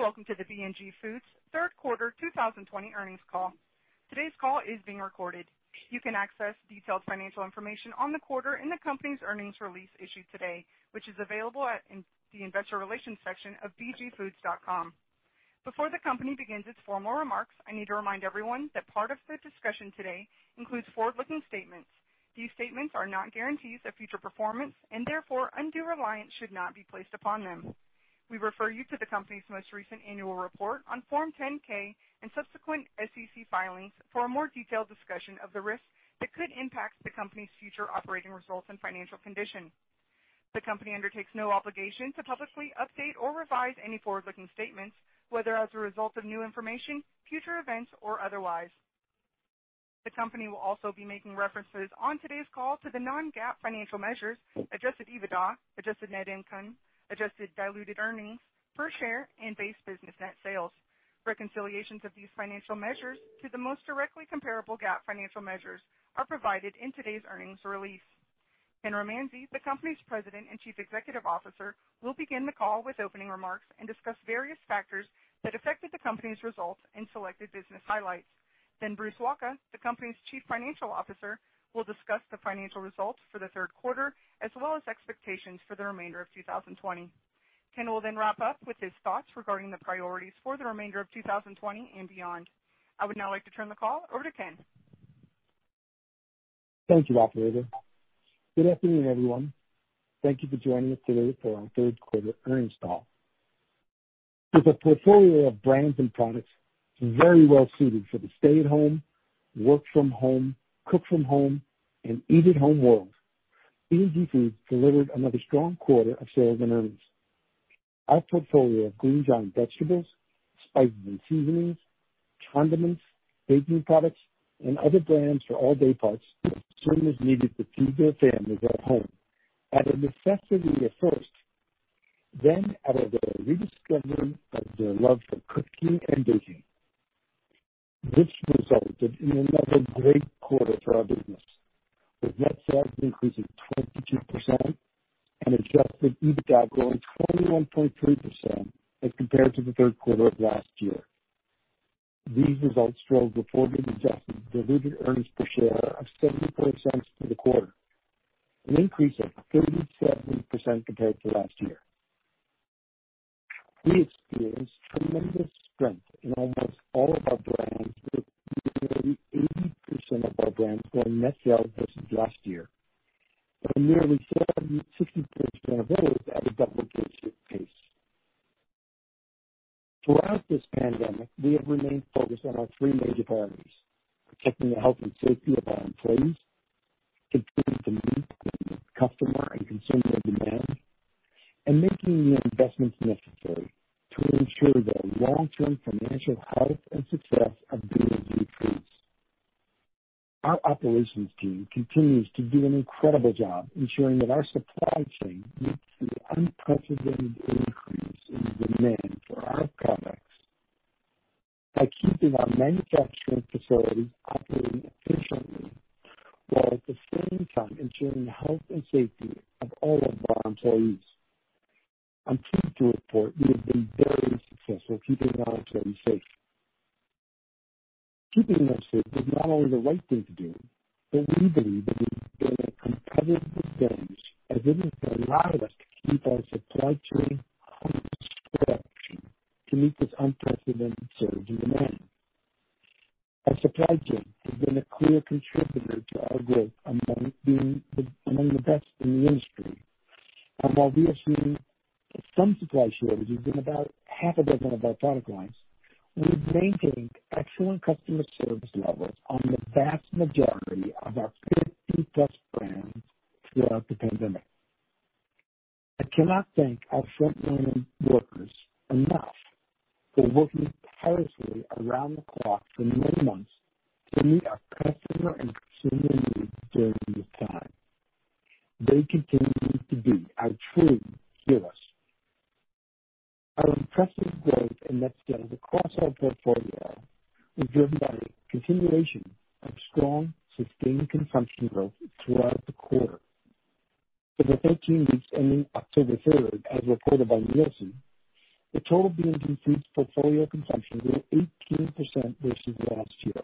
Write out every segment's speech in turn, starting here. Good day, and welcome to the B&G Foods third quarter 2020 earnings call. Today's call is being recorded. You can access detailed financial information on the quarter in the company's earnings release issued today, which is available at the investor relations section of bgfoods.com. Before the company begins its formal remarks, I need to remind everyone that part of the discussion today includes forward-looking statements. These statements are not guarantees of future performance and therefore undue reliance should not be placed upon them. We refer you to the company's most recent annual report on Form 10-K and subsequent SEC filings for a more detailed discussion of the risks that could impact the company's future operating results and financial condition. The company undertakes no obligation to publicly update or revise any forward-looking statements, whether as a result of new information, future events, or otherwise. The company will also be making references on today's call to the non-GAAP financial measures, adjusted EBITDA, adjusted net income, adjusted diluted earnings per share, and base business net sales. Reconciliations of these financial measures to the most directly comparable GAAP financial measures are provided in today's earnings release. Ken Romanzi, the company's President and Chief Executive Officer, will begin the call with opening remarks and discuss various factors that affected the company's results and selected business highlights. Bruce Wacha, the company's Chief Financial Officer, will discuss the financial results for the third quarter as well as expectations for the remainder of 2020. Ken will wrap up with his thoughts regarding the priorities for the remainder of 2020 and beyond. I would now like to turn the call over to Ken. Thank you, operator. Good afternoon, everyone. Thank you for joining us today for our third quarter earnings call. With a portfolio of brands and products very well-suited for the stay-at-home, work-from-home, cook-from-home, and eat-at-home world, B&G Foods delivered another strong quarter of sales and earnings. Our portfolio of Green Giant vegetables, spices and seasonings, condiments, baking products, and other brands for all dayparts, consumers needed to feed their families at home out of necessity at first, then out of a rediscovery of their love for cooking and baking. This resulted in another great quarter for our business, with net sales increasing 22% and adjusted EBITDA growing 21.3% as compared to the third quarter of last year. These results drove a forward-looking adjusted diluted earnings per share of $0.74 for the quarter, an increase of 37% compared to last year. We experienced tremendous strength in almost all of our brands, with nearly 80% of our brands growing net sales versus last year, and nearly 70%-60% of those at a double-digit pace. Throughout this pandemic, we have remained focused on our three major priorities: protecting the health and safety of our employees, continuing to meet customer and consumer demand, and making the investments necessary to ensure the long-term financial health and success of B&G Foods. Our operations team continues to do an incredible job ensuring that our supply chain meets the unprecedented increase in demand for our products by keeping our manufacturing facilities operating efficiently while at the same time ensuring the health and safety of all of our employees. I'm pleased to report we have been very successful keeping our employees safe. Keeping them safe is not only the right thing to do, but we believe it has been a competitive advantage as it has allowed us to keep our supply chain humming to production to meet this unprecedented surge in demand. Our supply chain has been a clear contributor to our growth among the best in the industry. While we have seen some supply shortages in about half a dozen of our product lines, we've maintained excellent customer service levels on the vast majority of our 50-plus brands throughout the pandemic. I cannot thank our frontline workers enough for working tirelessly around the clock for many months to meet our customer and consumer needs during this time. They continue to be our true heroes. Our impressive growth in net sales across our portfolio was driven by the continuation of strong, sustained consumption growth throughout the quarter. For the 13 weeks ending October 3rd, as reported by Nielsen, the total B&G Foods portfolio consumption grew 18% versus last year.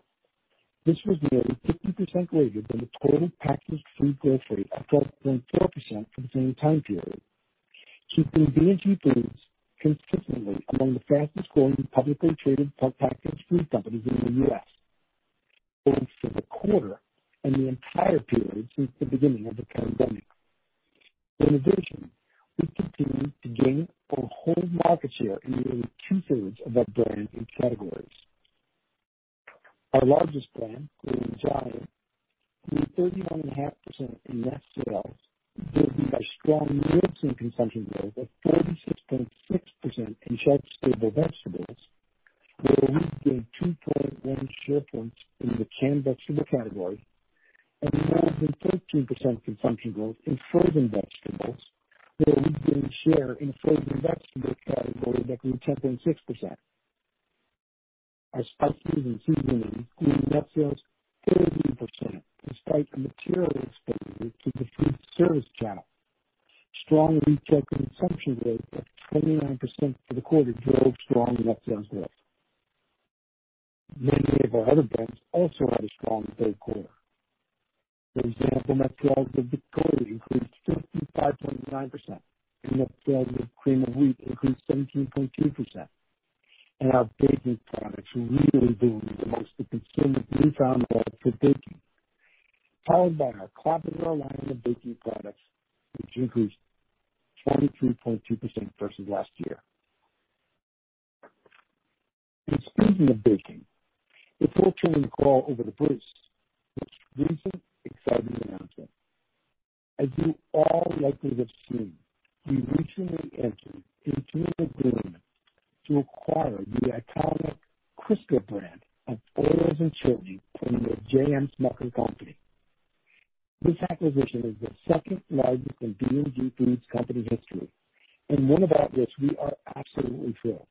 This was nearly 50% greater than the total packaged food growth rate of 12.4% for the same time period, keeping B&G Foods consistently among the fastest-growing publicly traded packaged food companies in the U.S., both for the quarter and the entire period since the beginning of the pandemic. In addition, we continue to gain or hold market share in nearly 2/3 of our brands and categories. Our largest brand, Green Giant, grew 39.5% in net sales, driven by strong Nielsen consumption growth of 46.6% in shelf-stable vegetables, where we gained 2.1 share points in the canned vegetable category and more than 13% consumption growth in frozen vegetables, where we gained share in the frozen vegetable category by 10.6%. Our spices and seasonings grew net sales 30%, despite a material expansion to the food service channel. Strong retail consumption growth of 29% for the quarter drove strong net sales growth. Many of our other brands also had a strong third quarter. For example, net sales of Victoria increased 55.9%, net sales of Cream of Wheat increased 17.2%. Our baking products really benefited the most as consumers newfound love for baking. Powered by our Clabber Girl line of baking products, which increased 23.2% versus last year. Speaking of baking, before turning the call over to Bruce with recent exciting announcement. As you all likely have seen, we recently entered into an agreement to acquire the iconic Crisco brand of oils and shortening from The J.M. Smucker Company. This acquisition is the second largest in B&G Foods company history, and one about which we are absolutely thrilled.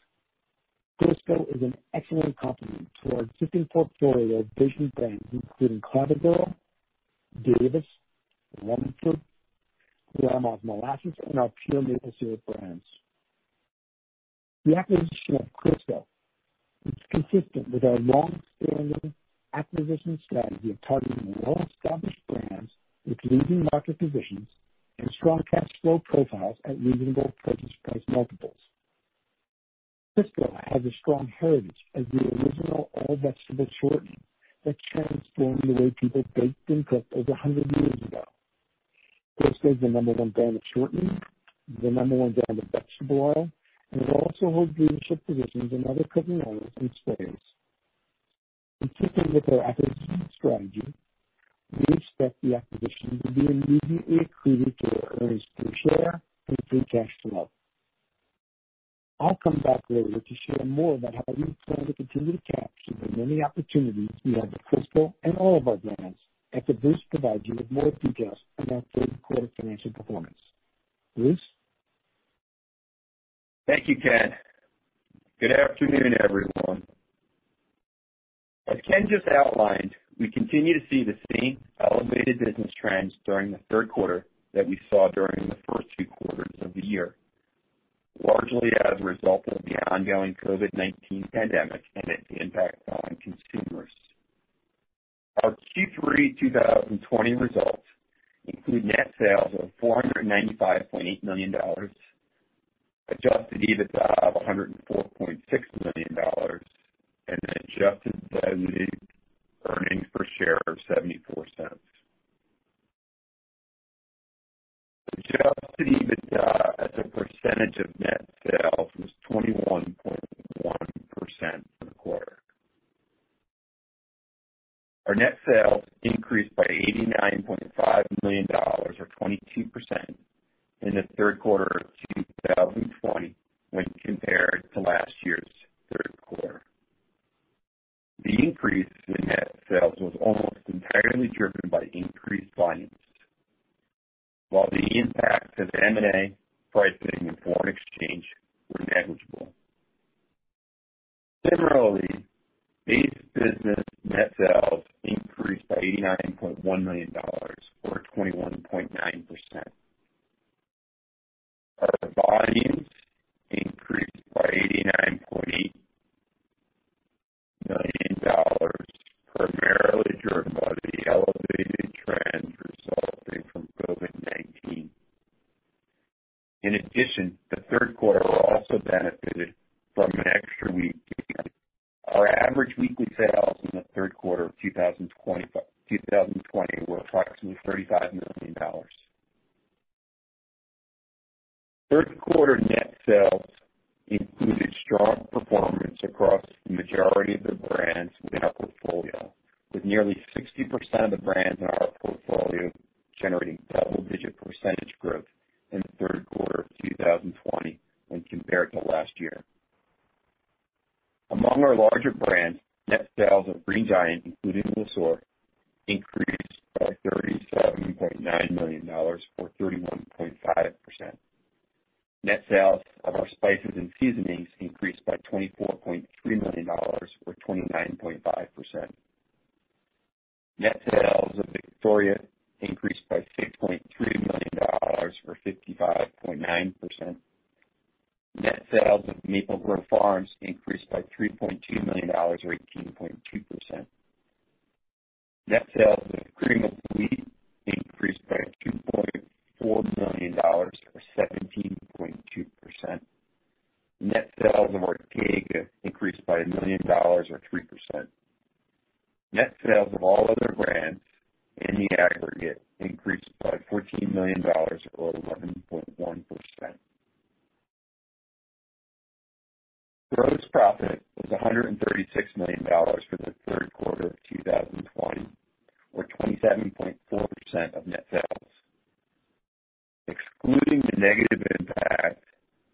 Crisco is an excellent complement to our existing portfolio of baking brands, including Clabber Girl, Davis, Rumford, Grandma's Molasses, and our pure maple syrup brands. The acquisition of Crisco is consistent with our long-standing acquisition strategy of targeting well-established brands with leading market positions and strong cash flow profiles at reasonable purchase price multiples. Crisco has a strong heritage as the original all-vegetable shortening that transformed the way people baked and cooked over 100 years ago. Crisco is the number one brand of shortening, the number one brand of vegetable oil. It also holds leadership positions in other cooking oils and sprays. In keeping with our acquisition strategy, we expect the acquisition to be immediately accretive to our earnings per share and free cash flow. I'll come back later to share more about how we plan to continue to capture the many opportunities we have with Crisco and all of our brands, after Bruce provides you with more details on our third quarter financial performance. Bruce? Thank you, Ken. Good afternoon, everyone. As Ken just outlined, we continue to see the same elevated business trends during the third quarter that we saw during the first two quarters of the year, largely as a result of the ongoing COVID-19 pandemic and its impact on consumers. Our Q3 2020 results include net sales of $495.8 million, adjusted EBITDA of $104.6 million, and an adjusted Gross profit was $136 million for the third quarter of 2020, or 27.4% of net sales. Excluding the negative impact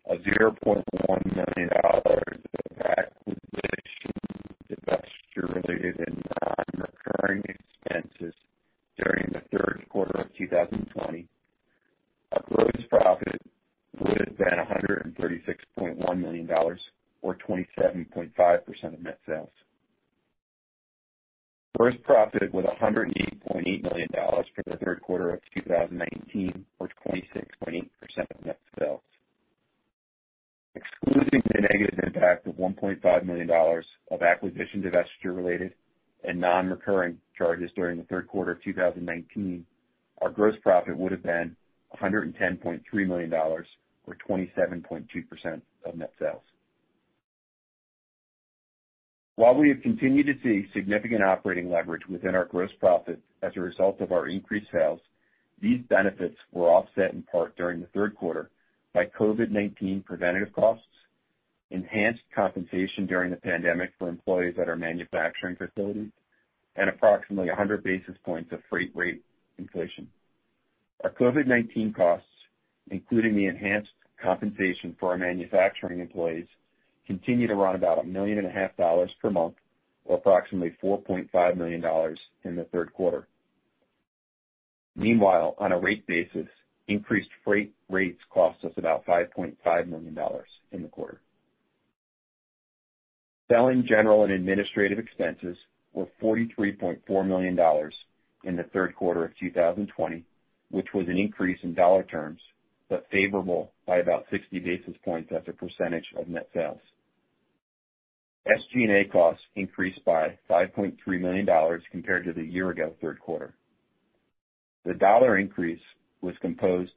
of $0.1 million of acquisition, divestiture-related and non-recurring expenses during the third quarter of 2020. Gross profit would have been $136.1 million, or 27.5% of net sales. Gross profit was $108.8 million for the third quarter of 2019, or 26.8% of net sales. Excluding the negative impact of $1.5 million of acquisition, divestiture-related and non-recurring charges during the third quarter of 2019, our gross profit would have been $110.3 million, or 27.2% of net sales. While we have continued to see significant operating leverage within our gross profit as a result of our increased sales, these benefits were offset in part during the third quarter by COVID-19 preventative costs, enhanced compensation during the pandemic for employees at our manufacturing facilities, and approximately 100 basis points of freight rate inflation. Our COVID-19 costs, including the enhanced compensation for our manufacturing employees, continue to run about a million and a half dollars per month, or approximately $4.5 million in the third quarter. Meanwhile, on a rate basis, increased freight rates cost us about $5.5 million in the quarter. Selling, general, and administrative expenses were $43.4 million in the third quarter of 2020, which was an increase in dollar terms, but favorable by about 60 basis points as a percentage of net sales. SG&A costs increased by $5.3 million compared to the year ago third quarter. The dollar increase was composed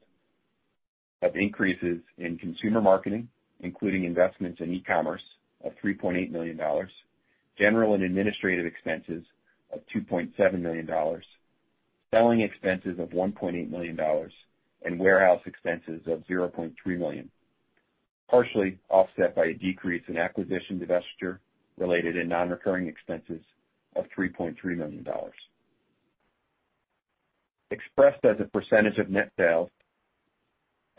of increases in consumer marketing, including investments in e-commerce of $3.8 million, general and administrative expenses of $2.7 million, selling expenses of $1.8 million, and warehouse expenses of $0.3 million, partially offset by a decrease in acquisition divestiture related and non-recurring expenses of $3.3 million. Expressed as a percentage of net sales,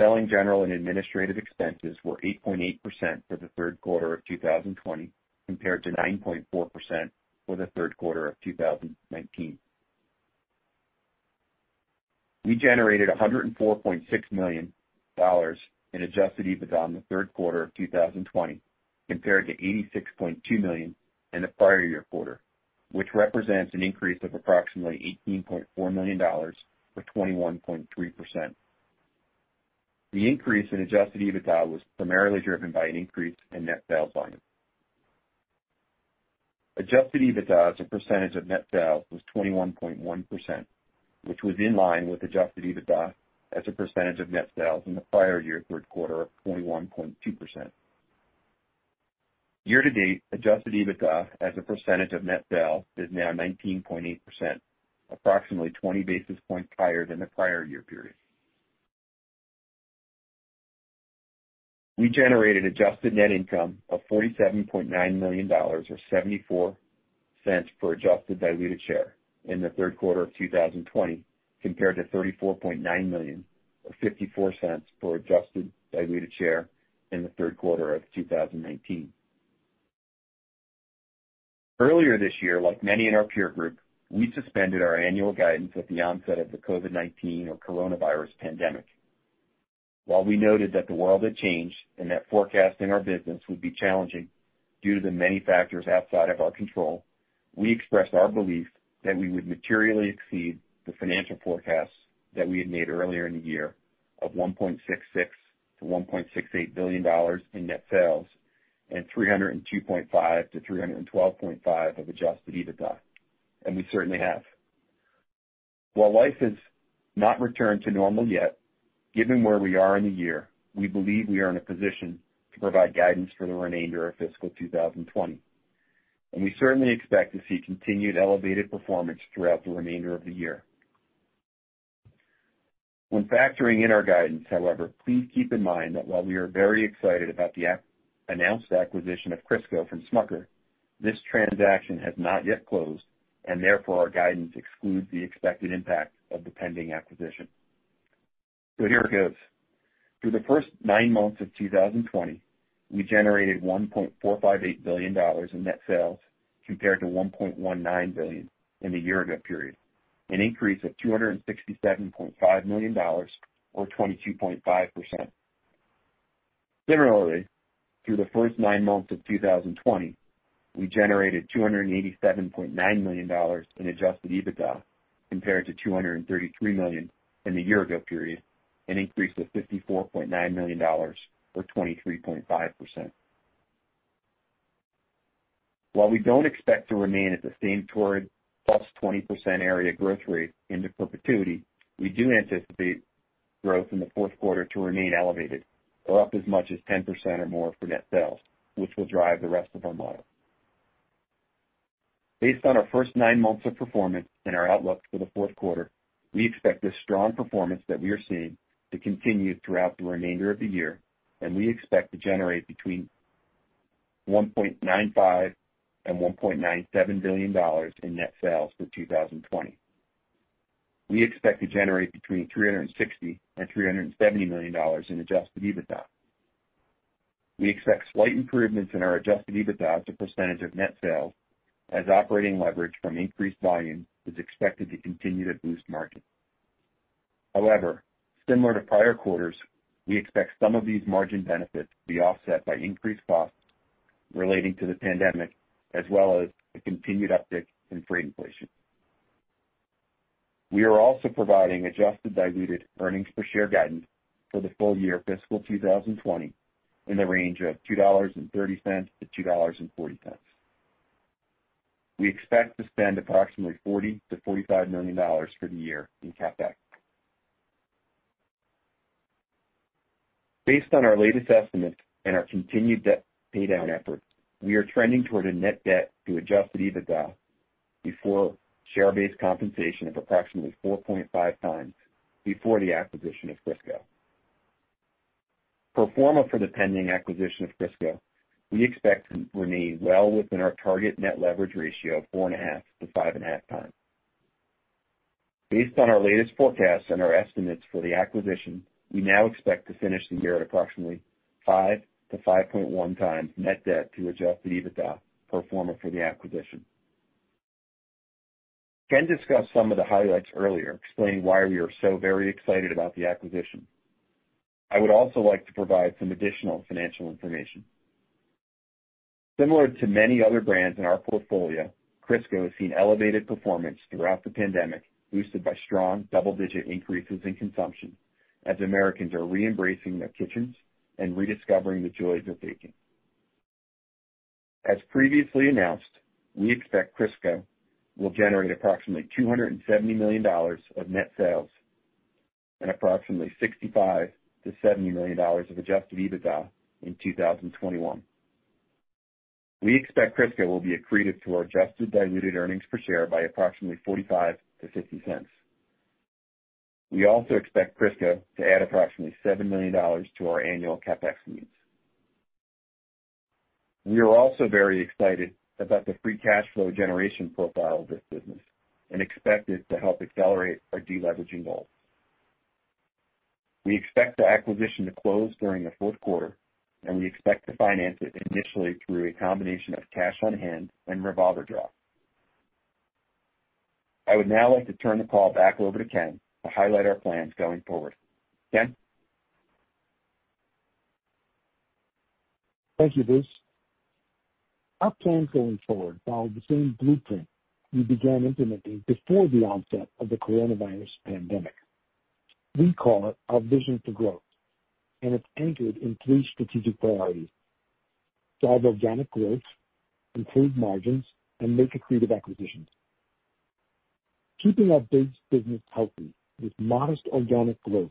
selling, general, and administrative expenses were 8.8% for the third quarter of 2020 compared to 9.4% for the third quarter of 2019. We generated $104.6 million in adjusted EBITDA in the third quarter of 2020 compared to $86.2 million in the prior year quarter, which represents an increase of approximately $18.4 million, or 21.3%. The increase in adjusted EBITDA was primarily driven by an increase in net sales volume. Adjusted EBITDA as a percentage of net sales was 21.1%, which was in line with adjusted EBITDA as a percentage of net sales in the prior year third quarter of 21.2%. Year to date, adjusted EBITDA as a percentage of net sales is now 19.8%, approximately 20 basis points higher than the prior year period. We generated adjusted net income of $47.9 million, or $0.74 for adjusted diluted share in the third quarter of 2020 compared to $34.9 million or $0.54 for adjusted diluted share in the third quarter of 2019. Earlier this year, like many in our peer group, we suspended our annual guidance at the onset of the COVID-19 or coronavirus pandemic. While we noted that the world had changed and that forecasting our business would be challenging due to the many factors outside of our control, we expressed our belief that we would materially exceed the financial forecasts that we had made earlier in the year of $1.66 billion-$1.68 billion in net sales and $302.5-$312.5 of adjusted EBITDA, and we certainly have. While life has not returned to normal yet, given where we are in the year, we believe we are in a position to provide guidance for the remainder of fiscal 2020, and we certainly expect to see continued elevated performance throughout the remainder of the year. When factoring in our guidance, however, please keep in mind that while we are very excited about the announced acquisition of Crisco from Smucker, this transaction has not yet closed, and therefore, our guidance excludes the expected impact of the pending acquisition. Here it goes. Through the first nine months of 2020, we generated $1.458 billion in net sales compared to $1.19 billion in the year ago period, an increase of $267.5 million, or 22.5%. Similarly, through the first nine months of 2020, we generated $287.9 million in adjusted EBITDA compared to $233 million in the year ago period, an increase of $54.9 million or 23.5%. While we don't expect to remain at the same toward +20% area growth rate into perpetuity, we do anticipate growth in the fourth quarter to remain elevated or up as much as 10% or more for net sales, which will drive the rest of our model. Based on our first nine months of performance and our outlook for the fourth quarter, we expect this strong performance that we are seeing to continue throughout the remainder of the year, and we expect to generate between $1.95 billion and $1.97 billion in net sales for 2020. We expect to generate between $360 million and $370 million in adjusted EBITDA. We expect slight improvements in our adjusted EBITDA as a percent of net sales, as operating leverage from increased volume is expected to continue to boost margin. However, similar to prior quarters, we expect some of these margin benefits to be offset by increased costs relating to the pandemic, as well as the continued uptick in freight inflation. We are also providing adjusted diluted earnings per share guidance for the full year fiscal 2020 in the range of $2.30-$2.40. We expect to spend approximately $40 million-$45 million for the year in CapEx. Based on our latest estimates and our continued debt paydown efforts, we are trending toward a net debt to adjusted EBITDA before share-based compensation of approximately 4.5x before the acquisition of Crisco. Pro forma for the pending acquisition of Crisco, we expect to remain well within our target net leverage ratio of 4.5x-5.5x. Based on our latest forecasts and our estimates for the acquisition, we now expect to finish the year at approximately 5x-5.1x net debt to adjusted EBITDA pro forma for the acquisition. Ken discussed some of the highlights earlier, explaining why we are so very excited about the acquisition. I would also like to provide some additional financial information. Similar to many other brands in our portfolio, Crisco has seen elevated performance throughout the pandemic, boosted by strong double-digit increases in consumption as Americans are re-embracing their kitchens and rediscovering the joys of baking. As previously announced, we expect Crisco will generate approximately $270 million of net sales and approximately $65 million-$70 million of adjusted EBITDA in 2021. We expect Crisco will be accretive to our adjusted diluted earnings per share by approximately $0.45-$0.50. We also expect Crisco to add approximately $7 million to our annual CapEx needs. We are also very excited about the free cash flow generation profile of this business and expect it to help accelerate our deleveraging goals. We expect the acquisition to close during the fourth quarter, and we expect to finance it initially through a combination of cash on hand and revolver draw. I would now like to turn the call back over to Ken to highlight our plans going forward. Ken? Thank you, Bruce. Our plan going forward follows the same blueprint we began implementing before the onset of the coronavirus pandemic. We call it our Vision for Growth, and it's anchored in three strategic priorities: drive organic growth, improve margins, and make accretive acquisitions. Keeping our base business healthy with modest organic growth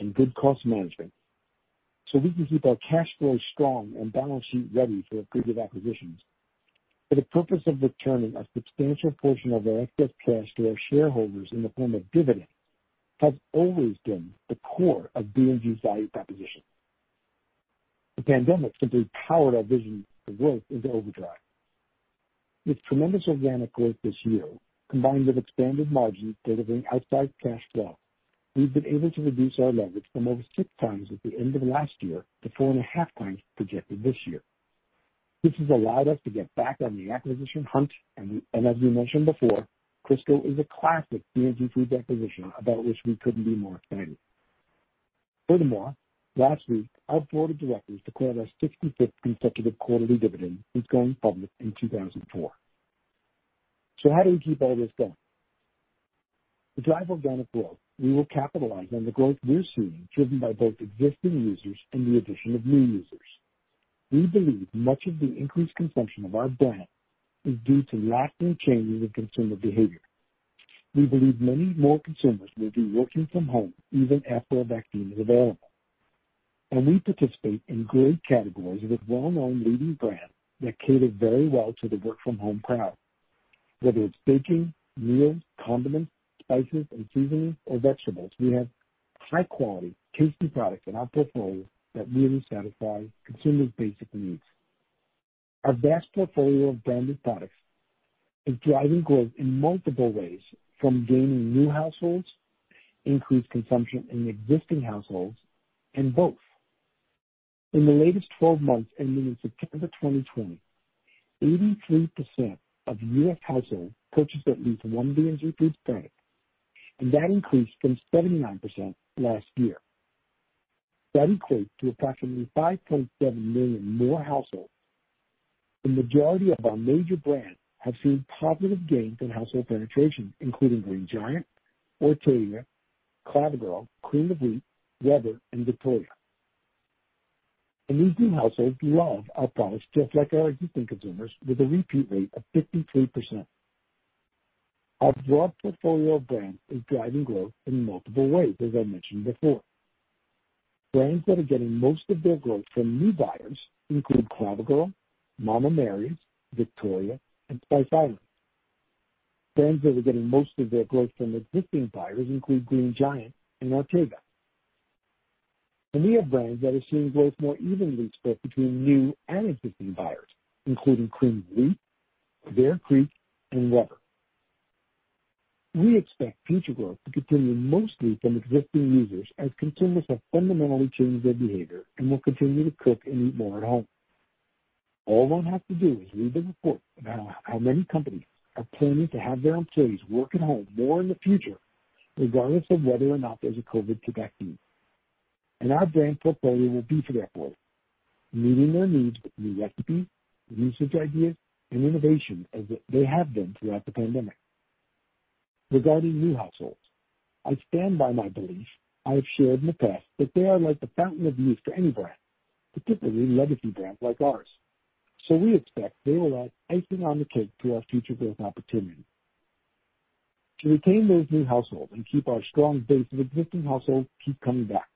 and good cost management so we can keep our cash flow strong and balance sheet ready for accretive acquisitions. For the purpose of returning a substantial portion of our excess cash to our shareholders in the form of dividends, has always been the core of B&G's value proposition. The pandemic simply powered our Vision for Growth into overdrive. With tremendous organic growth this year, combined with expanded margins delivering outsized cash flow, we've been able to reduce our leverage from over 6x at the end of last year to 4.5x projected this year. This has allowed us to get back on the acquisition hunt and as we mentioned before, Crisco is a classic B&G Foods acquisition about which we couldn't be more excited. Furthermore, last week, our board of directors declared our 65th consecutive quarterly dividend since going public in 2004. How do we keep all this going? To drive organic growth, we will capitalize on the growth we're seeing, driven by both existing users and the addition of new users. We believe much of the increased consumption of our brand is due to lasting changes in consumer behavior. We believe many more consumers will be working from home even after a vaccine is available, and we participate in great categories with well-known leading brands that cater very well to the work-from-home crowd. Whether it's baking, meals, condiments, spices and seasonings, or vegetables, we have high-quality, tasty products in our portfolio that really satisfy consumers' basic needs. Our vast portfolio of branded products is driving growth in multiple ways, from gaining new households, increased consumption in existing households, and both. In the latest 12 months, ending in September 2020, 83% of U.S. households purchased at least one B&G Foods product, and that increased from 79% last year. That equates to approximately 5.7 million more households. The majority of our major brands have seen positive gains in household penetration, including Green Giant, Ortega, Clabber Girl, Cream of Wheat, Weber, and Victoria. These new households love our products just like our existing consumers, with a repeat rate of 53%. Our broad portfolio of brands is driving growth in multiple ways, as I mentioned before. Brands that are getting most of their growth from new buyers include Clabber Girl, Mama Mary's, Victoria, and Spice Islands. Brands that are getting most of their growth from existing buyers include Green Giant and Ortega. We have brands that are seeing growth more evenly split between new and existing buyers, including Cream of Wheat, Bear Creek, and Weber. We expect future growth to continue mostly from existing users as consumers have fundamentally changed their behavior and will continue to cook and eat more at home. All one has to do is read the report about how many companies are planning to have their employees work at home more in the future, regardless of whether or not there's a COVID vaccine. Our brand portfolio will be there for them, meeting their needs with new recipes, usage ideas, and innovation as they have been throughout the pandemic. Regarding new households, I stand by my belief I have shared in the past that they are like the fountain of youth for any brand, particularly legacy brands like ours. We expect they will add icing on the cake to our future growth opportunity. To retain those new households and keep our strong base of existing households keep coming back,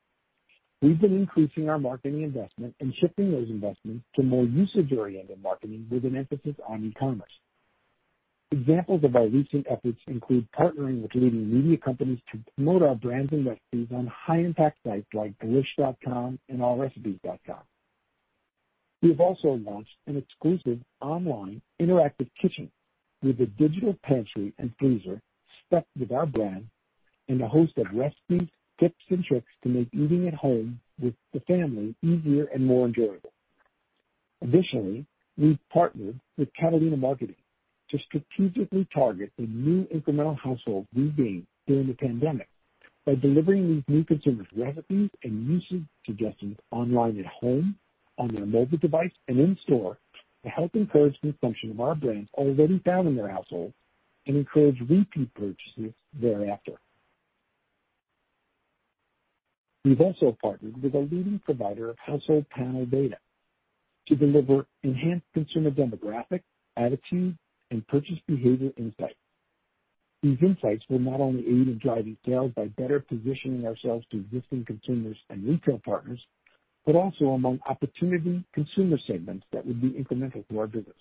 we've been increasing our marketing investment and shifting those investments to more usage-oriented marketing with an emphasis on e-commerce. Examples of our recent efforts include partnering with leading media companies to promote our brands and recipes on high-impact sites like delish.com and allrecipes.com. We have also launched an exclusive online interactive kitchen with a digital pantry and freezer stuffed with our brands and a host of recipes, tips, and tricks to make eating at home with the family easier and more enjoyable. Additionally, we've partnered with Catalina Marketing to strategically target the new incremental households we gained during the pandemic by delivering these new consumers recipes and usage suggestions online at home, on their mobile device, and in-store to help encourage consumption of our brands already found in their household and encourage repeat purchases thereafter. We've also partnered with a leading provider of household panel data to deliver enhanced consumer demographic, attitude, and purchase behavior insights. These insights will not only aid in driving sales by better positioning ourselves to existing consumers and retail partners, but also among opportunity consumer segments that would be incremental to our business.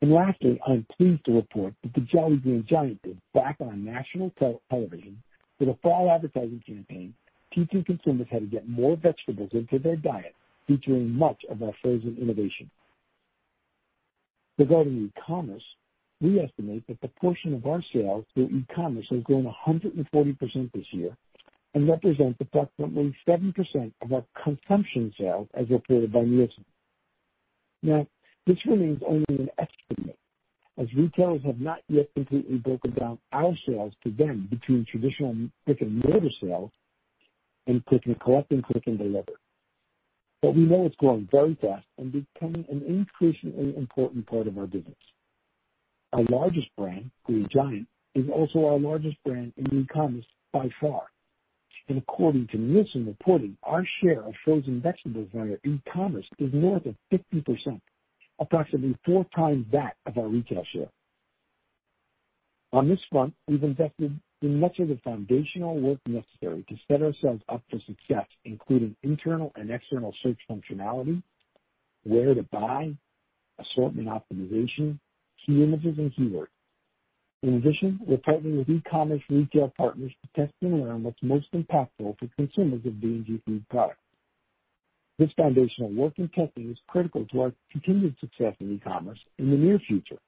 Lastly, I'm pleased to report that the Jolly Green Giant is back on national television with a fall advertising campaign teaching consumers how to get more vegetables into their diet, featuring much of our frozen innovation. Regarding e-commerce, we estimate that the portion of our sales through e-commerce has grown 140% this year and represents approximately 7% of our consumption sales as reported by Nielsen. This remains only an estimate, as retailers have not yet completely broken down our sales to them between traditional click and mortar sales and click and collect and click and deliver. We know it's growing very fast and becoming an increasingly important part of our business. Our largest brand, Green Giant, is also our largest brand in e-commerce by far. According to Nielsen reporting, our share of frozen vegetables via e-commerce is more than 50%, approximately four times that of our retail share. On this front, we've invested in much of the foundational work necessary to set ourselves up for success, including internal and external search functionality, where to buy, assortment optimization, key images, and keywords. In addition, we're partnering with e-commerce retail partners to test and learn what's most impactful for consumers of B&G Foods products. This foundational work and testing is critical to our continued success in e-commerce in the near future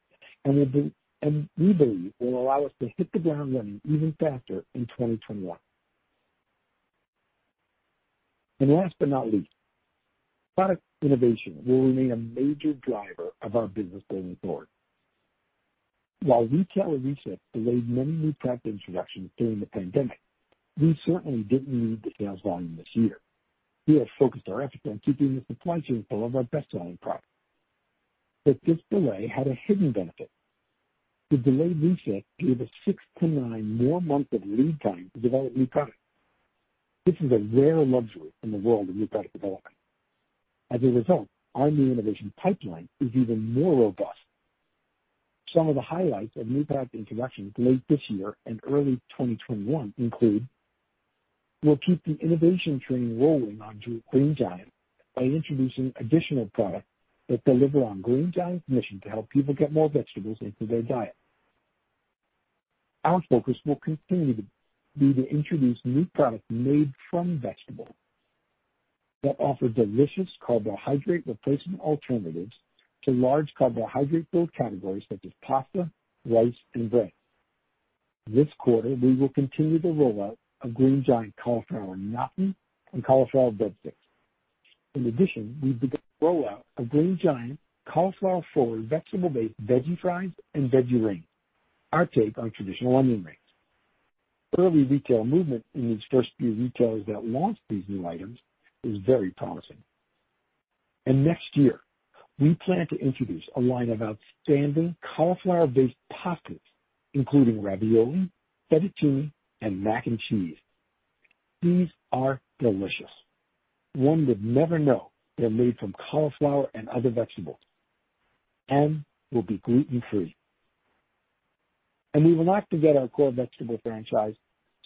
and we believe will allow us to hit the ground running even faster in 2021. Last but not least, product innovation will remain a major driver of our business going forward. While retailer reset delayed many new product introductions during the pandemic, we certainly didn't need the sales volume this year. We have focused our efforts on keeping the supply chain full of our best-selling products. This delay had a hidden benefit. The delayed reset gave us six to nine more months of lead time to develop new products. This is a rare luxury in the world of new product development. As a result, our new innovation pipeline is even more robust. Some of the highlights of new product introductions late this year and early 2021 include, we'll keep the innovation train rolling onto Green Giant by introducing additional products that deliver on Green Giant's mission to help people get more vegetables into their diet. Our focus will continue to be to introduce new products made from vegetables that offer delicious carbohydrate replacement alternatives to large carbohydrate-filled categories such as pasta, rice, and bread. This quarter, we will continue the rollout of Green Giant cauliflower gnocchi and cauliflower breadsticks. In addition, we've begun the rollout of Green Giant cauliflower-forward vegetable-based veggie fries and veggie rings, our take on traditional onion rings. Early retail movement in these first few retailers that launched these new items is very promising. Next year, we plan to introduce a line of outstanding cauliflower-based pastas, including ravioli, fettuccine, and mac and cheese. These are delicious. One would never know they're made from cauliflower and other vegetables, and will be gluten-free. We will not forget our core vegetable franchise,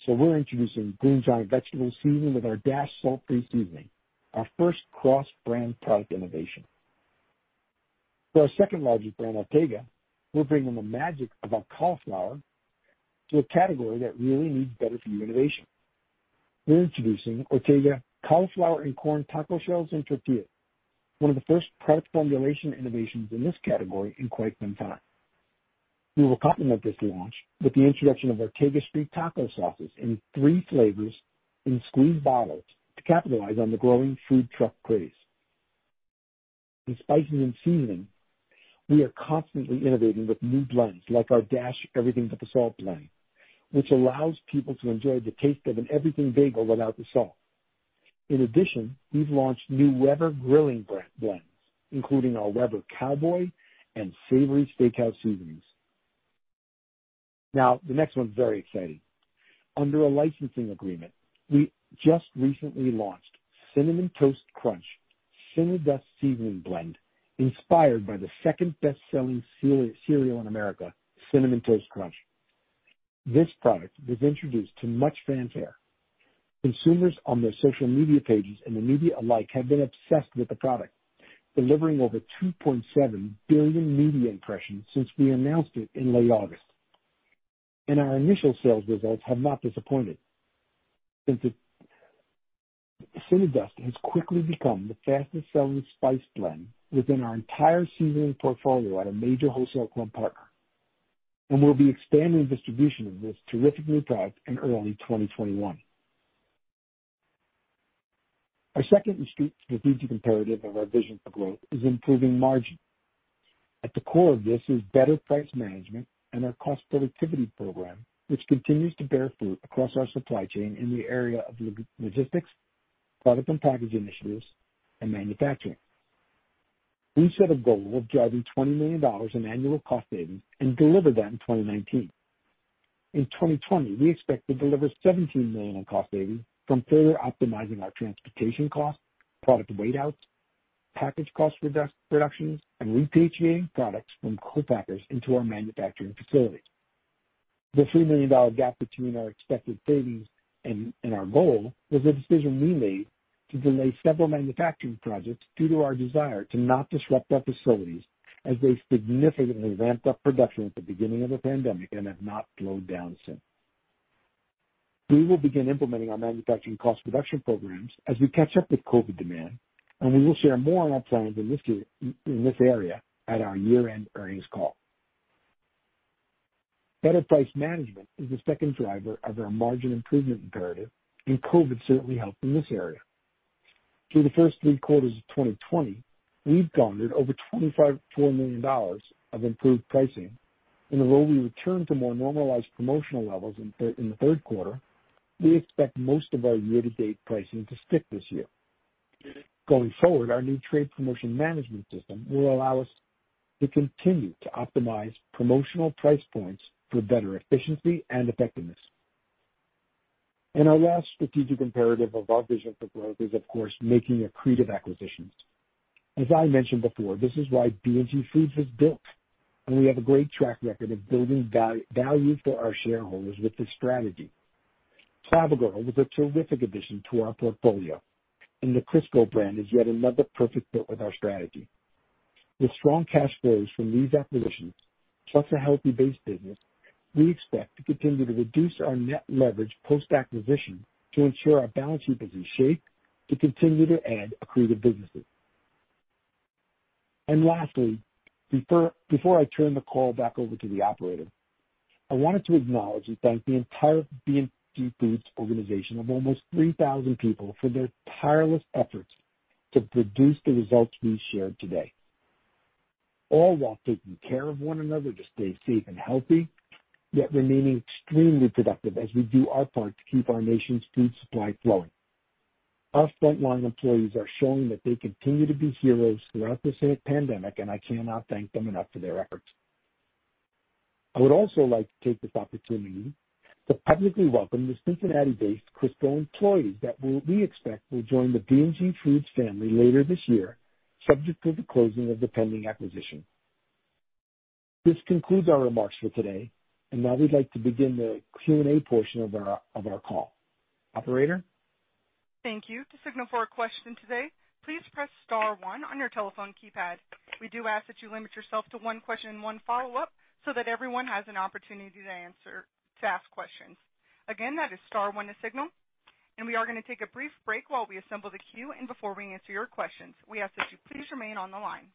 so we're introducing Green Giant vegetable seasoning with our Dash salt free seasoning, our first cross-brand product innovation. For our second-largest brand, Ortega, we're bringing the magic of our cauliflower to a category that really needs better-for-you innovation. We're introducing Ortega cauliflower and corn taco shells and tortillas, one of the first product formulation innovations in this category in quite some time. We will complement this launch with the introduction of Ortega Street Tacos sauces in three flavors in squeeze bottles to capitalize on the growing food truck craze. In spices and seasoning, we are constantly innovating with new blends, like our Dash Everything But the Salt blend, which allows people to enjoy the taste of an everything bagel without the salt. In addition, we've launched new Weber grilling blends, including our Weber Cowboy and Savory Steakhouse seasonings. The next one's very exciting. Under a licensing agreement, we just recently launched Cinnamon Toast Crunch Cinnadust seasoning blend, inspired by the second best-selling cereal in America, Cinnamon Toast Crunch. This product was introduced to much fanfare. Consumers on their social media pages and the media alike have been obsessed with the product, delivering over $2.7 billion media impressions since we announced it in late August, and our initial sales results have not disappointed. Cinnadust has quickly become the fastest-selling spice blend within our entire seasoning portfolio at a major wholesale club partner, and we'll be expanding distribution of this terrific new product in early 2021. Our second strategic imperative of our vision for growth is improving margin. At the core of this is better price management and our cost productivity program, which continues to bear fruit across our supply chain in the area of logistics, product and package initiatives, and manufacturing. We set a goal of driving $20 million in annual cost savings and delivered that in 2019. In 2020, we expect to deliver $17 million in cost savings from further optimizing our transportation costs, product weight-outs, package cost reductions, and repatriating products from co-packers into our manufacturing facilities. The $3 million gap between our expected savings and our goal was a decision we made to delay several manufacturing projects due to our desire to not disrupt our facilities as they significantly ramped up production at the beginning of the pandemic and have not slowed down since. We will begin implementing our manufacturing cost reduction programs as we catch up with COVID demand, and we will share more on our plans in this area at our year-end earnings call. Better price management is the second driver of our margin improvement imperative, and COVID certainly helped in this area. Through the first three quarters of 2020, we've garnered over $24 million of improved pricing. Although we returned to more normalized promotional levels in the third quarter, we expect most of our year-to-date pricing to stick this year. Going forward, our new trade promotion management system will allow us to continue to optimize promotional price points for better efficiency and effectiveness. Our last strategic imperative of our vision for growth is, of course, making accretive acquisitions. As I mentioned before, this is why B&G Foods was built, and we have a great track record of building value for our shareholders with this strategy. Clabber Girl was a terrific addition to our portfolio, and the Crisco brand is yet another perfect fit with our strategy. With strong cash flows from these acquisitions, plus a healthy base business, we expect to continue to reduce our net leverage post-acquisition to ensure our balance sheet is in shape to continue to add accretive businesses. Lastly, before I turn the call back over to the operator, I wanted to acknowledge and thank the entire B&G Foods organization of almost 3,000 people for their tireless efforts to produce the results we shared today, all while taking care of one another to stay safe and healthy, yet remaining extremely productive as we do our part to keep our nation's food supply flowing. Our frontline employees are showing that they continue to be heroes throughout this pandemic. I cannot thank them enough for their efforts. I would also like to take this opportunity to publicly welcome the Cincinnati-based Crisco employees that we expect will join the B&G Foods family later this year, subject to the closing of the pending acquisition. This concludes our remarks for today. Now we'd like to begin the Q&A portion of our call. Operator? Thank you. To signal for a question today, please press star one on your telephone keypad. We do ask that you limit yourself to one question and one follow-up so that everyone has an opportunity to ask questions. Again, that is star one to signal. We are going to take a brief break while we assemble the queue and before we answer your questions. We ask that you please remain on the line.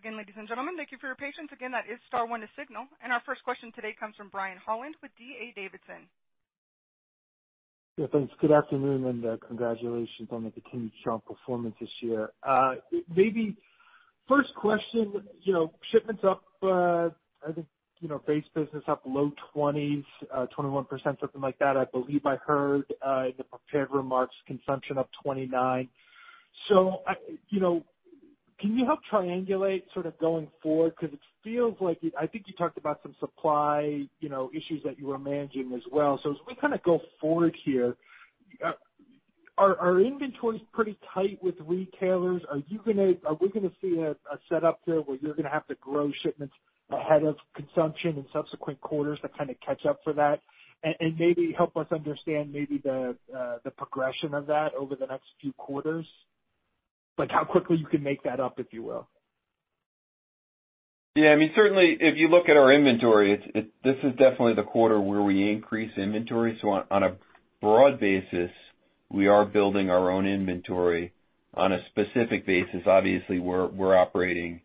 Again, ladies and gentlemen, thank you for your patience. Again, that is star one to signal. Our first question today comes from Brian Holland with D.A. Davidson. Yeah, thanks. Good afternoon. Congratulations on the continued strong performance this year. First question, shipments up, I think, base business up low 20s, 21%, something like that, I believe I heard in the prepared remarks. Consumption up 29%. Can you help triangulate sort of going forward? It feels like, I think you talked about some supply issues that you were managing as well. As we kind of go forward here, are inventories pretty tight with retailers? Are we going to see a setup there where you're going to have to grow shipments ahead of consumption in subsequent quarters to kind of catch up for that? Maybe help us understand maybe the progression of that over the next few quarters, like how quickly you can make that up, if you will. Certainly if you look at our inventory, this is definitely the quarter where we increase inventory. On a broad basis, we are building our own inventory. On a specific basis, obviously, we're operating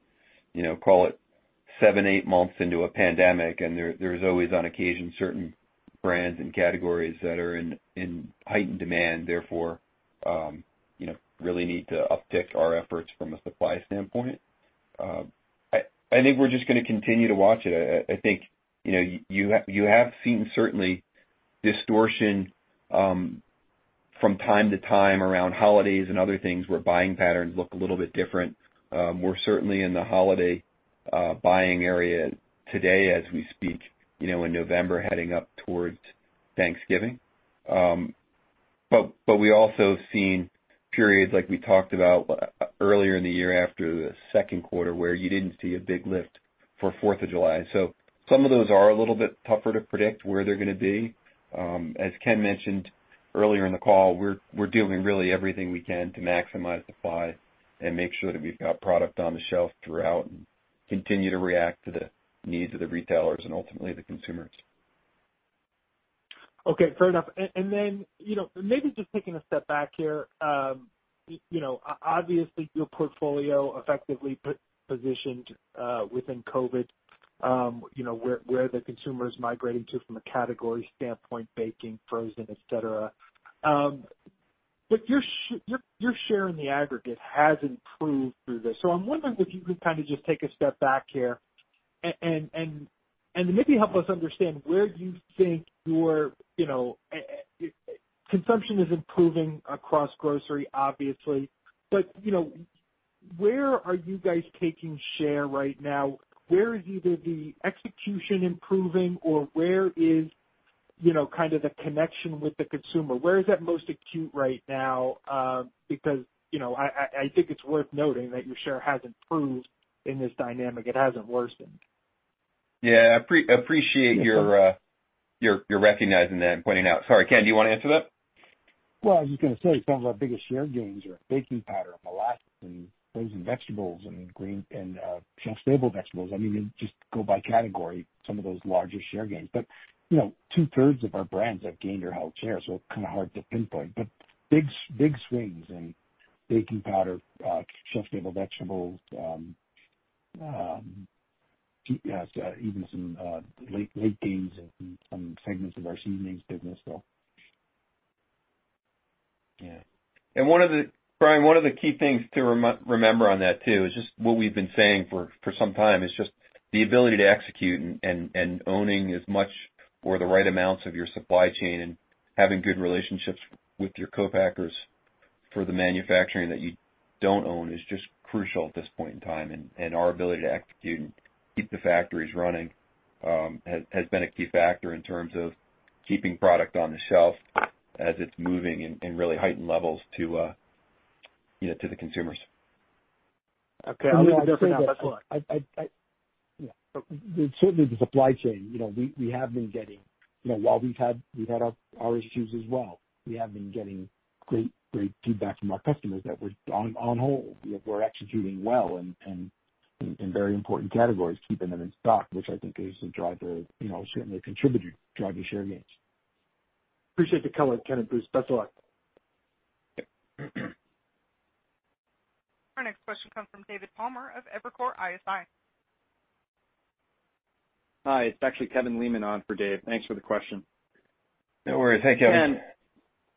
call it seven, eight months into a pandemic, and there is always on occasion certain brands and categories that are in heightened demand. Therefore really need to uptick our efforts from a supply standpoint. I think we're just going to continue to watch it. I think you have seen certainly distortion from time to time around holidays and other things where buying patterns look a little bit different. We're certainly in the holiday buying area today as we speak in November heading up towards Thanksgiving. We also have seen periods like we talked about earlier in the year after the second quarter where you didn't see a big lift for 4th of July. Some of those are a little bit tougher to predict where they're going to be. As Ken mentioned earlier in the call, we're doing really everything we can to maximize supply and make sure that we've got product on the shelf throughout and continue to react to the needs of the retailers and ultimately the consumers. Okay. Fair enough. Maybe just taking a step back here. Obviously your portfolio effectively positioned within COVID where the consumer is migrating to from a category standpoint, baking, frozen, et cetera. Your share in the aggregate has improved through this. I'm wondering if you can kind of just take a step back here and maybe help us understand where you think your consumption is improving across grocery, obviously. Where are you guys taking share right now? Where is either the execution improving or where is kind of the connection with the consumer? Where is that most acute right now? I think it's worth noting that your share has improved in this dynamic. It hasn't worsened. Yeah. I appreciate your recognizing that and pointing out. Sorry, Ken, do you want to answer that? Well, I was just going to say some of our biggest share gains are baking powder, molasses, and frozen vegetables and shelf-stable vegetables. I mean, just go by category, some of those larger share gains. 2/3 of our brands have gained or held shares, so kind of hard to pinpoint. Big swings in baking powder, shelf-stable vegetables, even some late gains in some segments of our seasonings business. Yeah. Brian, one of the key things to remember on that too is just what we've been saying for some time is just the ability to execute and owning as much or the right amounts of your supply chain and having good relationships with your co-packers for the manufacturing that you don't own is just crucial at this point in time. Our ability to execute and keep the factories running has been a key factor in terms of keeping product on the shelf as it's moving in really heightened levels to the consumers. Okay. I'll leave it there for now. Best of luck. Yeah. Certainly the supply chain, we've had our issues as well. We have been getting great feedback from our customers that on whole, we're executing well in very important categories, keeping them in stock, which I think is a driver, certainly a contributor to driving share gains. Appreciate the color, Ken and Bruce. Best of luck. Our next question comes from David Palmer of Evercore ISI. Hi, it's actually Kevin Lehmann on for Dave. Thanks for the question. No worries. Thank you. Ken.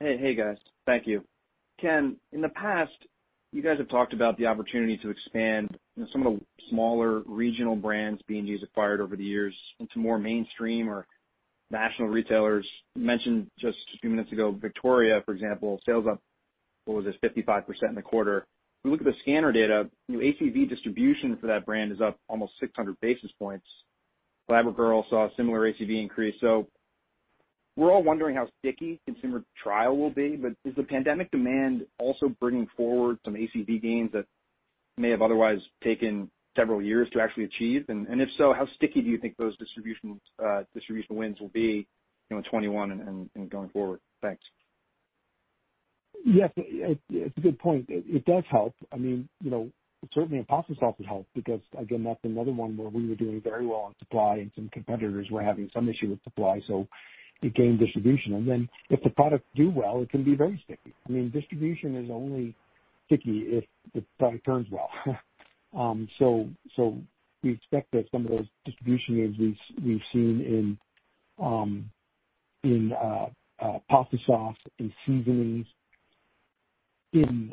Hey guys. Thank you. Ken, in the past, you guys have talked about the opportunity to expand some of the smaller regional brands being used acquired over the years into more mainstream or national retailers. You mentioned just a few minutes ago, Victoria, for example, sales up, what was it, 55% in the quarter? If you look at the scanner data, ACV distribution for that brand is up almost 600 basis points. Clabber Girl saw a similar ACV increase. We're all wondering how sticky consumer trial will be, but is the pandemic demand also bringing forward some ACV gains that may have otherwise taken several years to actually achieve? If so, how sticky do you think those distribution wins will be in 21 and going forward? Thanks. Yes, it's a good point. It does help. Certainly, pasta sauce would help because again, that's another one where we were doing very well on supply and some competitors were having some issue with supply, so it gained distribution. If the products do well, it can be very sticky. Distribution is only sticky if the product turns well. We expect that some of those distribution gains we've seen in pasta sauce, in seasonings, in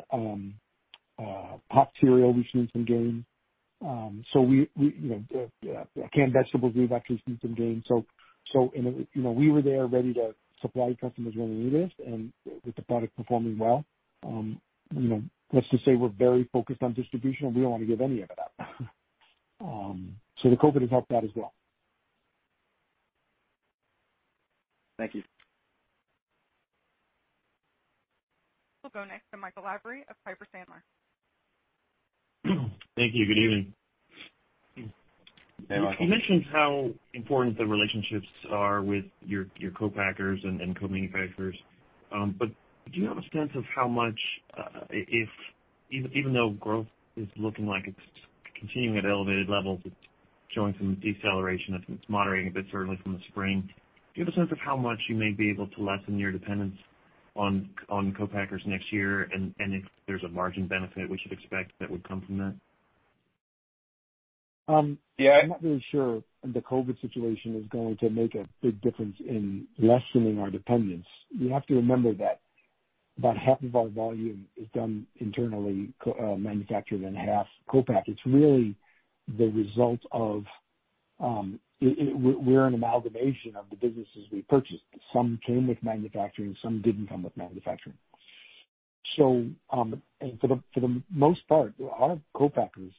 Pop-Tarts, we've seen some gains. Canned vegetables, we've actually seen some gains. We were there ready to supply customers when they need us and with the product performing well. Let's just say we're very focused on distribution, and we don't want to give any of it up. The COVID-19 has helped that as well. Thank you. We'll go next to Michael Lavery of Piper Sandler. Thank you. Good evening. Hey, Michael. You mentioned how important the relationships are with your co-packers and co-manufacturers, but do you have a sense of how much, even though growth is looking like it's continuing at elevated levels, it's showing some deceleration. It's moderating a bit certainly from the spring. Do you have a sense of how much you may be able to lessen your dependence on co-packers next year, and if there's a margin benefit we should expect that would come from that? I'm not really sure the COVID-19 situation is going to make a big difference in lessening our dependence. You have to remember that about half of our volume is done internally manufactured and half co-pack. It's really We're an amalgamation of the businesses we purchased. Some came with manufacturing, some didn't come with manufacturing. For the most part, our co-packers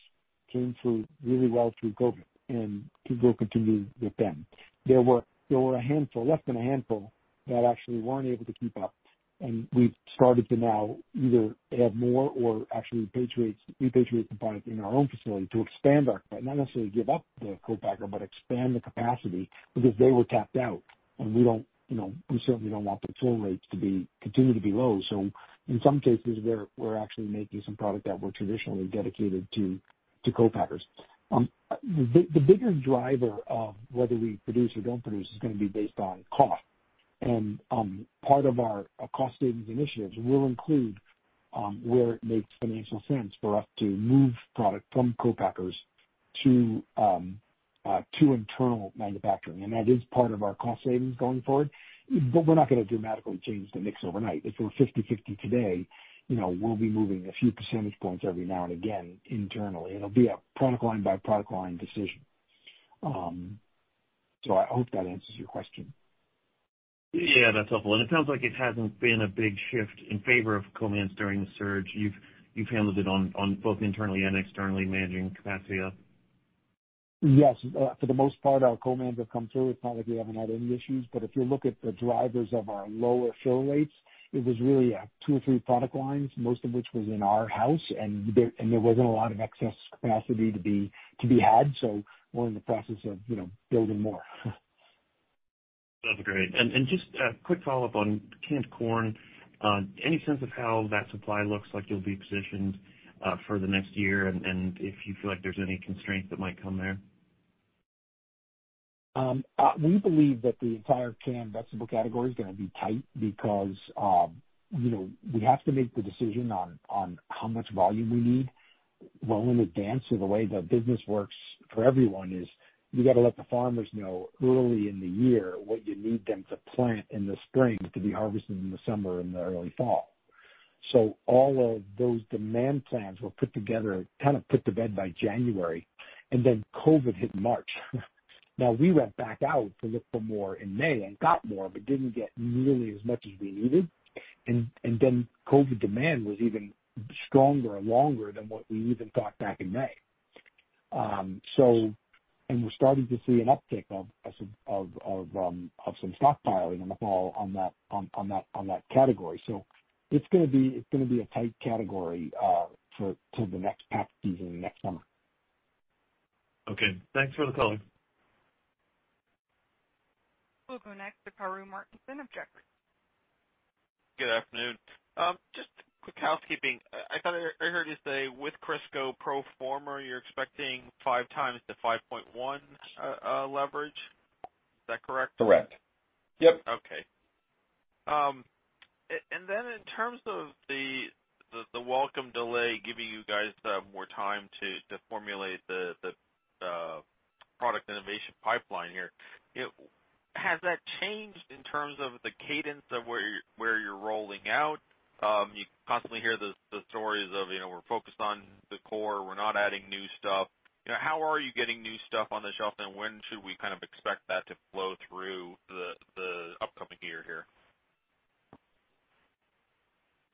came through really well through COVID-19, and could go continue with them. There were a handful, less than a handful, that actually weren't able to keep up, and we've started to now either add more or actually repatriate the product in our own facility to expand the capacity because they were tapped out. We certainly don't want the fill rates to continue to be low. In some cases, we're actually making some product that were traditionally dedicated to co-packers. The bigger driver of whether we produce or don't produce is going to be based on cost. Part of our cost savings initiatives will include where it makes financial sense for us to move product from co-packers to internal manufacturing. That is part of our cost savings going forward. We're not going to dramatically change the mix overnight. If we're 50/50 today, we'll be moving a few percentage points every now and again internally. It'll be a product line by product line decision. I hope that answers your question. Yeah, that's helpful. It sounds like it hasn't been a big shift in favor of co-mans during the surge. You've handled it on both internally and externally managing capacity up. Yes. For the most part, our co-mans have come through. It's not like we haven't had any issues, but if you look at the drivers of our lower fill rates, it was really two or three product lines, most of which was in our house, and there wasn't a lot of excess capacity to be had. We're in the process of building more. That's great. Just a quick follow-up on canned corn. Any sense of how that supply looks like you'll be positioned for the next year, and if you feel like there's any constraint that might come there? We believe that the entire canned vegetable category is gonna be tight because we have to make the decision on how much volume we need well in advance. The way the business works for everyone is you got to let the farmers know early in the year what you need them to plant in the spring to be harvested in the summer and the early fall. All of those demand plans were put together, kind of put to bed by January, COVID hit in March. Now, we went back out to look for more in May and got more, but didn't get nearly as much as we needed. COVID demand was even stronger and longer than what we even got back in May. We're starting to see an uptick of some stockpiling in the fall on that category. It's going to be a tight category for the next season, next summer. Okay. Thanks for the color. We'll go next to Karru Martinson of Jefferies. Good afternoon. Just quick housekeeping. I thought I heard you say with Crisco pro forma, you're expecting 5x-5.1x leverage. Is that correct? Correct. Yep. Okay. In terms of the welcome delay giving you guys more time to formulate the product innovation pipeline here, has that changed in terms of the cadence of where you're rolling out? You constantly hear the stories of, we're focused on the core, we're not adding new stuff. How are you getting new stuff on the shelf, and when should we expect that to flow through the upcoming year here?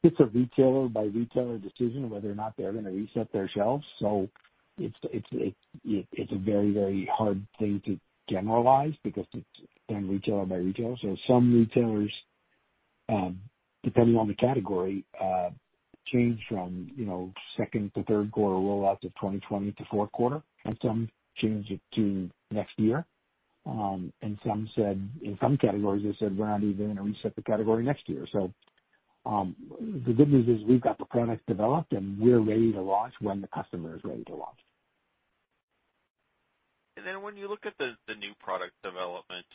It's a retailer-by-retailer decision whether or not they're going to reset their shelves. It's a very hard thing to generalize because it's done retailer by retailer. Some retailers, depending on the category, changed from second to third quarter rollouts of 2020 to fourth quarter, and some changed it to next year. Some categories, they said, "We're not even going to reset the category next year." The good news is we've got the products developed, and we're ready to launch when the customer is ready to launch. When you look at the new product development,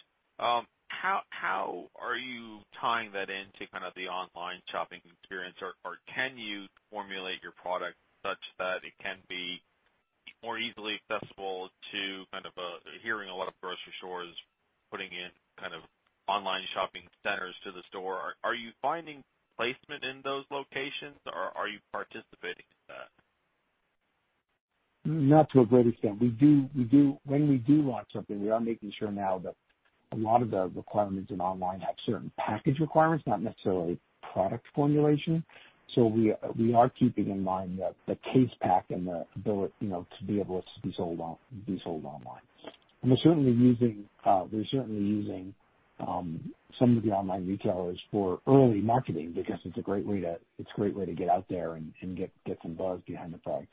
how are you tying that into the online shopping experience, or can you formulate your product such that it can be more easily accessible to hearing a lot of grocery stores putting in online shopping centers to the store? Are you finding placement in those locations, or are you participating in that? Not to a great extent. When we do launch something, we are making sure now that a lot of the requirements in online have certain package requirements, not necessarily product formulation. We are keeping in mind the case pack and the ability to be able to be sold online. We're certainly using some of the online retailers for early marketing because it's a great way to get out there and get some buzz behind the product.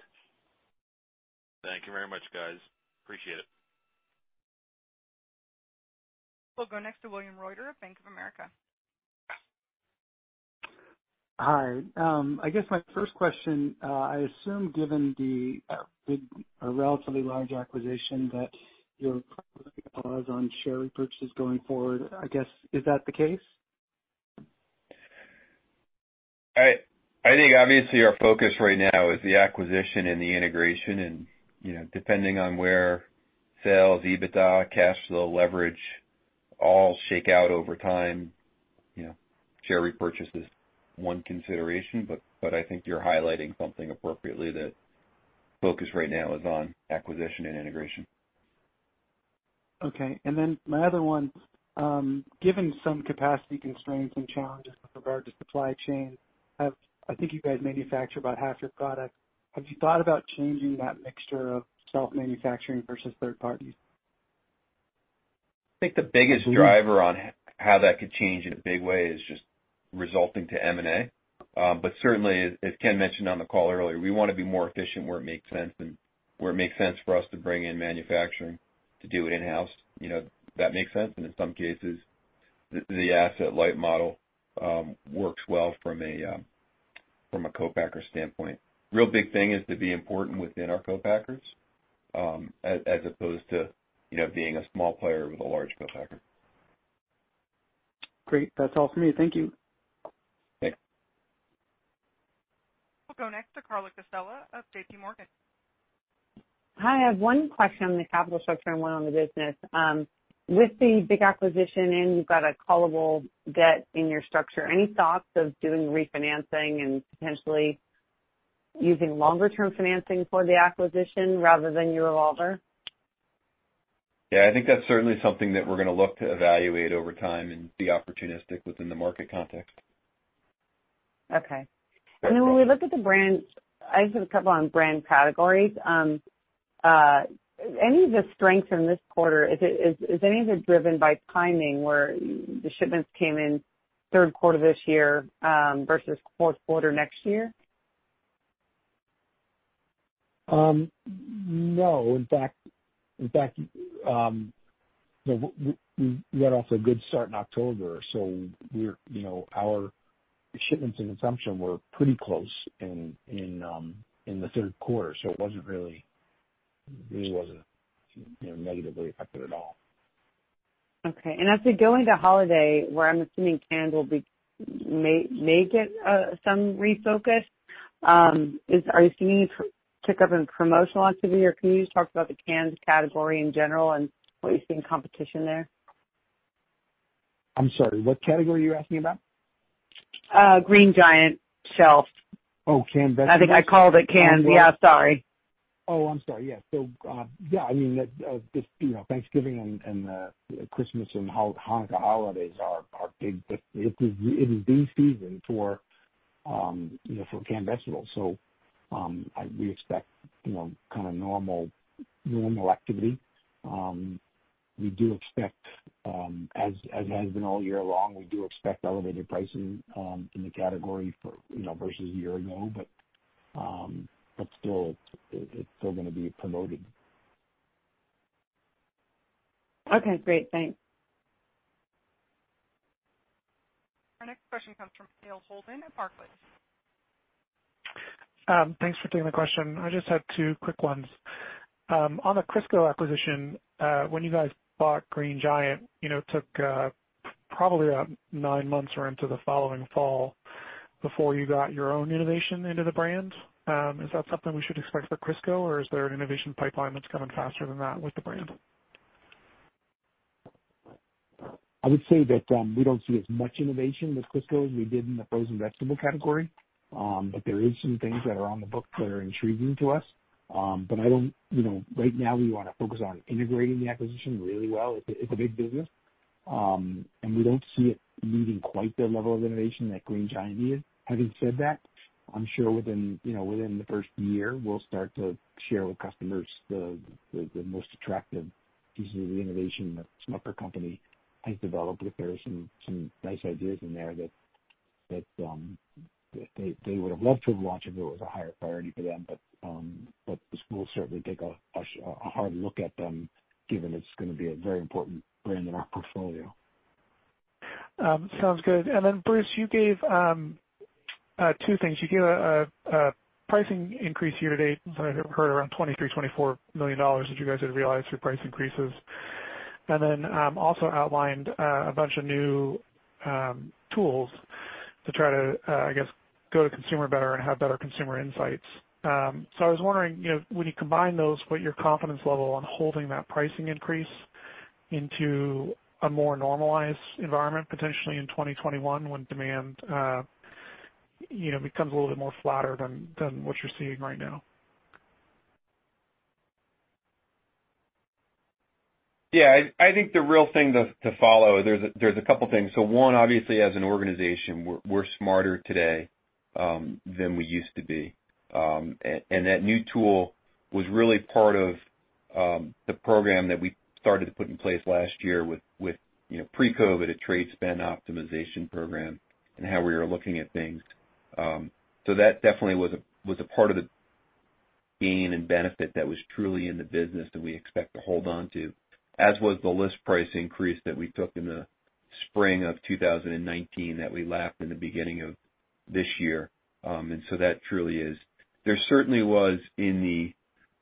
Thank you very much, guys. Appreciate it. We'll go next to William Reuter of Bank of America. Hi. I guess my first question, I assume, given the big, relatively large acquisition, that you're probably going to pause on share repurchases going forward. I guess, is that the case? I think obviously our focus right now is the acquisition and the integration and, depending on where sales, EBITDA, cash flow, leverage all shake out over time, share repurchase is one consideration, but I think you're highlighting something appropriately that focus right now is on acquisition and integration. Okay. My other one, given some capacity constraints and challenges with regard to supply chain, I think you guys manufacture about half your product. Have you thought about changing that mixture of self-manufacturing versus third parties? I think the biggest driver on how that could change in a big way is just resulting to M&A. Certainly, as Ken mentioned on the call earlier, we want to be more efficient where it makes sense and where it makes sense for us to bring in manufacturing to do it in-house, that makes sense, and in some cases, the asset-light model works well from a co-packer standpoint. Real big thing is to be important within our co-packers, as opposed to being a small player with a large co-packer. Great. That's all for me. Thank you. Thanks. We'll go next to Carla Casella of JPMorgan. Hi. I have one question on the capital structure and one on the business. With the big acquisition in, you've got a callable debt in your structure. Any thoughts of doing refinancing and potentially using longer-term financing for the acquisition rather than your revolver? Yeah, I think that's certainly something that we're going to look to evaluate over time and be opportunistic within the market context. Okay. That's it. When we look at the brands, I just have a couple on brand categories. Any of the strengths in this quarter, is any of it driven by timing, where the shipments came in third quarter this year versus fourth quarter next year? No. In fact, we got off to a good start in October, so our shipments and consumption were pretty close in the third quarter, so it really wasn't negatively affected at all. Okay. As we go into holiday, where I'm assuming canned will may get some refocus, are you seeing any pickup in promotional activity, or can you just talk about the cans category in general and what you're seeing competition there? I'm sorry, what category are you asking about? Green Giant shelf. Oh, canned vegetables. I think I called it canned. Yeah, sorry. I'm sorry. Yeah. Yeah, Thanksgiving and Christmas and Hanukkah holidays are big, but it is the season for canned vegetables. We expect normal activity. As has been all year long, we do expect elevated pricing in the category versus a year ago. It's still going to be promoted. Okay, great. Thanks. Our next question comes from Hale Holden at Barclays. Thanks for taking the question. I just had two quick ones. On the Crisco acquisition, when you guys bought Green Giant, it took probably about nine months or into the following fall before you got your own innovation into the brand. Is that something we should expect for Crisco, or is there an innovation pipeline that's coming faster than that with the brand? I would say that we don't see as much innovation with Crisco as we did in the frozen vegetable category. There is some things that are on the book that are intriguing to us. Right now we want to focus on integrating the acquisition really well. It's a big business. We don't see it needing quite the level of innovation that Green Giant needed. Having said that, I'm sure within the first year, we'll start to share with customers the most attractive pieces of innovation that Smucker Company has developed if there are some nice ideas in there that they would have loved to have launched if it was a higher priority for them. This will certainly take a hard look at them, given it's going to be a very important brand in our portfolio. Sounds good. Bruce, you gave two things. You gave a pricing increase year to date that I heard around $23 million, $24 million that you guys had realized through price increases. Also outlined a bunch of new tools to try to, I guess, go to consumer better and have better consumer insights. I was wondering, when you combine those, what your confidence level on holding that pricing increase into a more normalized environment, potentially in 2021 when demand becomes a little bit more flatter than what you're seeing right now. I think the real thing to follow, there's a couple things. One, obviously as an organization, we're smarter today than we used to be. That new tool was really part of the program that we started to put in place last year with pre-COVID-19, a trade spend optimization program and how we were looking at things. That definitely was a part of the gain and benefit that was truly in the business that we expect to hold on to, as was the list price increase that we took in the spring of 2019 that we lapped in the beginning of this year. That truly is. There certainly was in the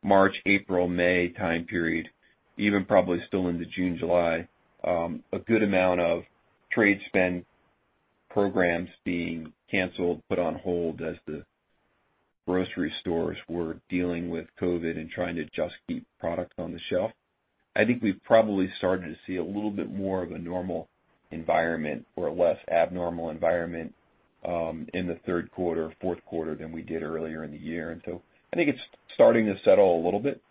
March, April, May time period, even probably still into June, July, a good amount of trade spend programs being canceled, put on hold as the grocery stores were dealing with COVID and trying to just keep product on the shelf. I think we've probably started to see a little bit more of a normal environment or a less abnormal environment in the third quarter, fourth quarter than we did earlier in the year. I think it's starting to settle a little bit.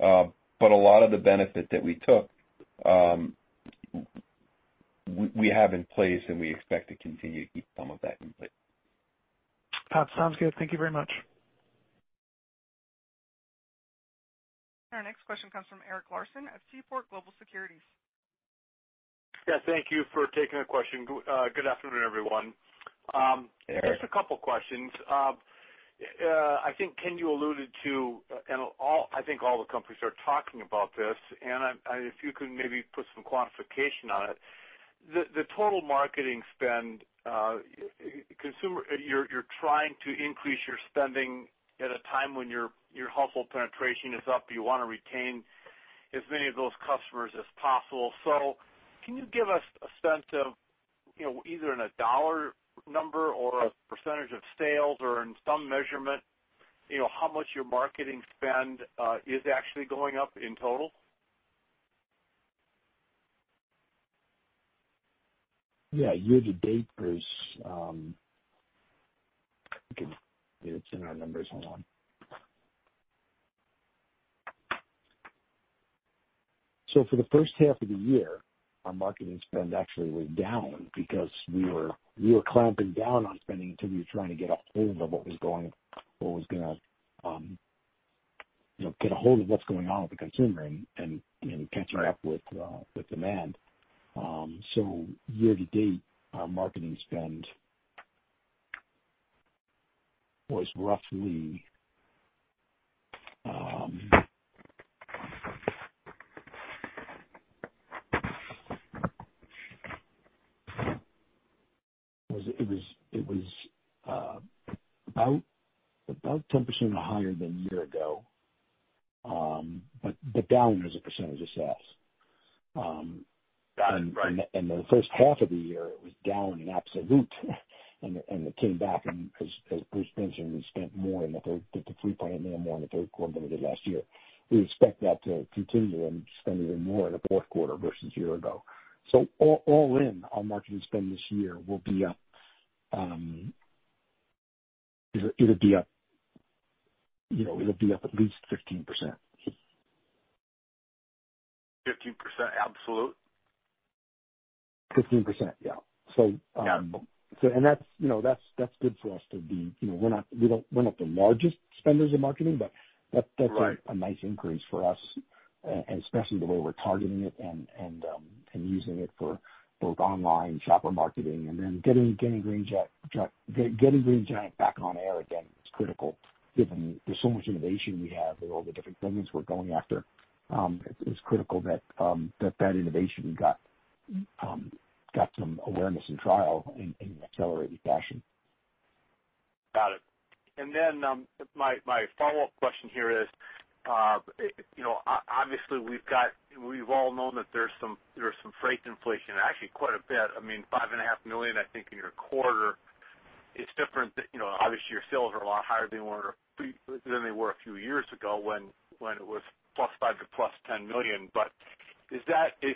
A lot of the benefit that we took, we have in place and we expect to continue to keep some of that in place. Sounds good. Thank you very much. Our next question comes from Eric Larson at Seaport Global Securities. Yeah. Thank you for taking the question. Good afternoon, everyone. Hey, Eric. Just a couple questions. I think Ken you alluded to, and I think all the companies are talking about this, and if you could maybe put some quantification on it. The total marketing spend, you're trying to increase your spending at a time when your household penetration is up. You want to retain as many of those customers as possible. Can you give us a sense of either in a dollar number or a percentage of sales or in some measurement, how much your marketing spend is actually going up in total? Yeah. Year to date, Bruce. Let me get our numbers on. For the first half of the year, our marketing spend actually was down because we were clamping down on spending until we were trying to get a hold of what's going on with the consumer and catch up with demand. Year to date, our marketing spend was roughly about 10% higher than a year ago, but down as a percentage of sales. Got it. The first half of the year, it was down in absolute and it came back and as Bruce mentioned, we spent more in the third, $53 more in the third quarter than we did last year. We expect that to continue and spend even more in the fourth quarter versus a year ago. All in our marketing spend this year will be up at least 15%. 15% absolute? 15%. Yeah. Got it. We're not the largest spenders in marketing, but- Right. That's a nice increase for us, especially the way we're targeting it and using it for both online shopper marketing and then getting Green Giant back on air again is critical given there's so much innovation we have with all the different segments we're going after. It's critical that that innovation got some awareness in trial in accelerated fashion. Got it. My follow-up question here is, obviously we've all known that there's some freight inflation, actually quite a bit. I mean, $5.5 million, I think, in your quarter. It's different that, obviously your sales are a lot higher than they were a few years ago when it was +$5 million to +$10 million. Is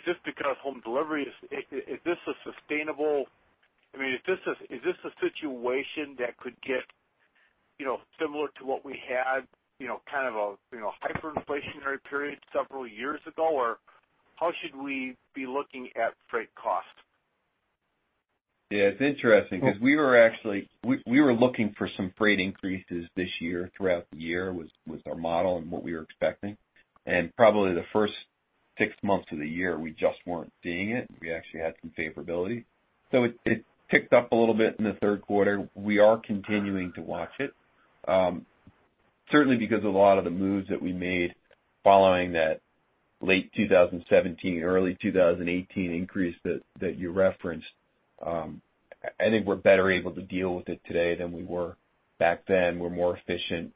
this because home delivery Is this a situation that could get similar to what we had, kind of a hyperinflationary period several years ago? How should we be looking at freight cost? Yeah, it's interesting because we were looking for some freight increases this year throughout the year, was our model and what we were expecting. Probably the first six months of the year, we just weren't seeing it. We actually had some favorability. It ticked up a little bit in the third quarter. We are continuing to watch it. Certainly because of a lot of the moves that we made following that late 2017, early 2018 increase that you referenced. I think we're better able to deal with it today than we were back then. We're more efficient.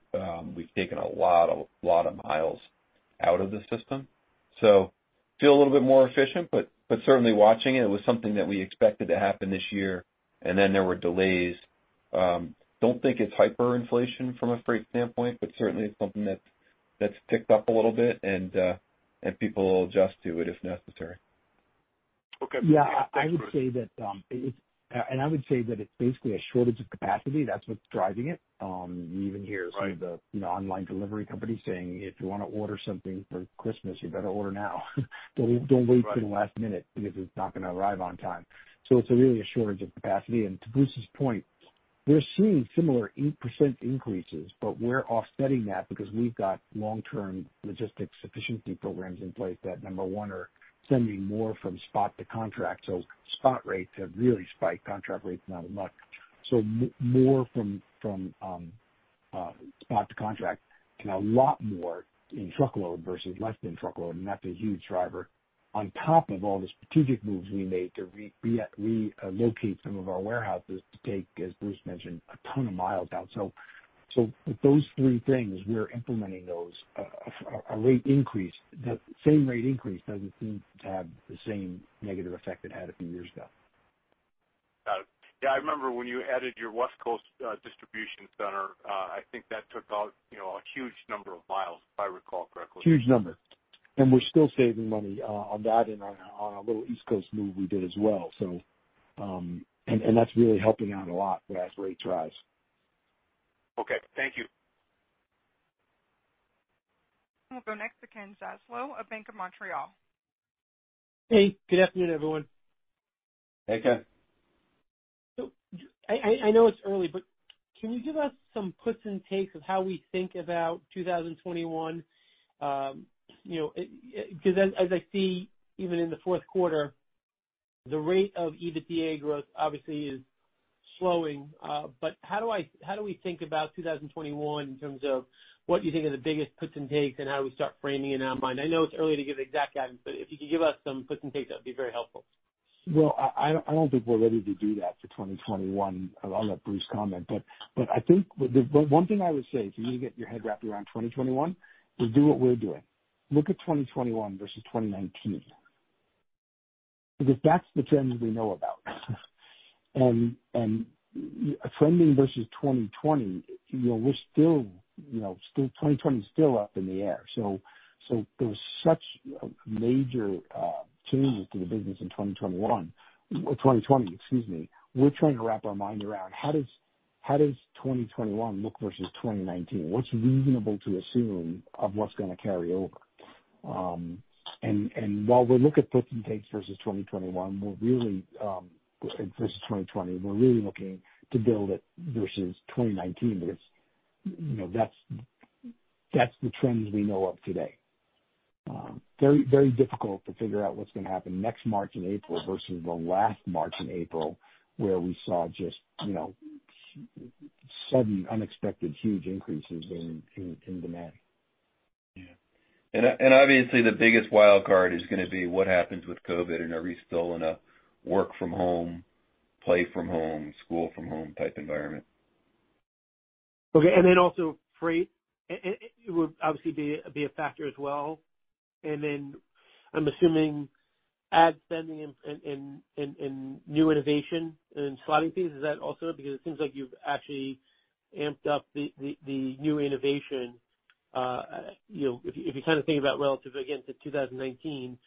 We've taken a lot of miles out of the system. Feel a little bit more efficient, but certainly watching it. It was something that we expected to happen this year, and then there were delays. Don't think it's hyperinflation from a freight standpoint, but certainly it's something that's ticked up a little bit and people will adjust to it if necessary. Okay. Yeah, I would say that it's basically a shortage of capacity. That's what's driving it. You even hear some of the online delivery companies saying, "If you want to order something for Christmas, you better order now." "Don't wait till the last minute because it's not going to arrive on time." It's really a shortage of capacity. To Bruce's point, we're seeing similar 8% increases, but we're offsetting that because we've got long-term logistics efficiency programs in place that, number one, are sending more from spot to contract. Spot rates have really spiked, contract rates not as much. More from spot to contract and a lot more in truckload versus less than truckload, and that's a huge driver. On top of all the strategic moves we made to relocate some of our warehouses to take, as Bruce mentioned, a ton of miles out. With those three things, we're implementing those. A rate increase, the same rate increase doesn't seem to have the same negative effect it had a few years ago. Got it. Yeah, I remember when you added your West Coast distribution center. I think that took out a huge number of miles, if I recall correctly. Huge numbers. We're still saving money on that and on our little East Coast move we did as well. That's really helping out a lot as rates rise. Okay. Thank you. We'll go next to Ken Zaslow of Bank of Montreal. Hey, good afternoon, everyone. Hey, Ken. I know it's early, but can you give us some puts and takes of how we think about 2021? As I see, even in the fourth quarter, the rate of EBITDA growth obviously is slowing. How do we think about 2021 in terms of what you think are the biggest puts and takes and how we start framing it in our mind? I know it's early to give exact guidance, if you could give us some puts and takes, that would be very helpful. Well, I don't think we're ready to do that for 2021. I'll let Bruce comment. I think one thing I would say, if you need to get your head wrapped around 2021 is do what we're doing. Look at 2021 versus 2019. That's the trends we know about. Trending versus 2020 is still up in the air. There's such major changes to the business in 2020, excuse me. We're trying to wrap our mind around how does 2021 look versus 2019? What's reasonable to assume of what's gonna carry over? While we look at puts and takes versus 2021, versus 2020, we're really looking to build it versus 2019. That's the trends we know of today. Very difficult to figure out what's going to happen next March and April versus the last March and April where we saw just sudden, unexpected, huge increases in demand. Yeah. Obviously the biggest wild card is gonna be what happens with COVID and are we still in a work-from-home, play-from-home, school-from-home type environment? Okay. Also freight, it would obviously be a factor as well. I'm assuming ad spending and new innovation and slotting fees. Is that also because it seems like you've actually amped up the new innovation. If you kind of think about relative, again, to 2019,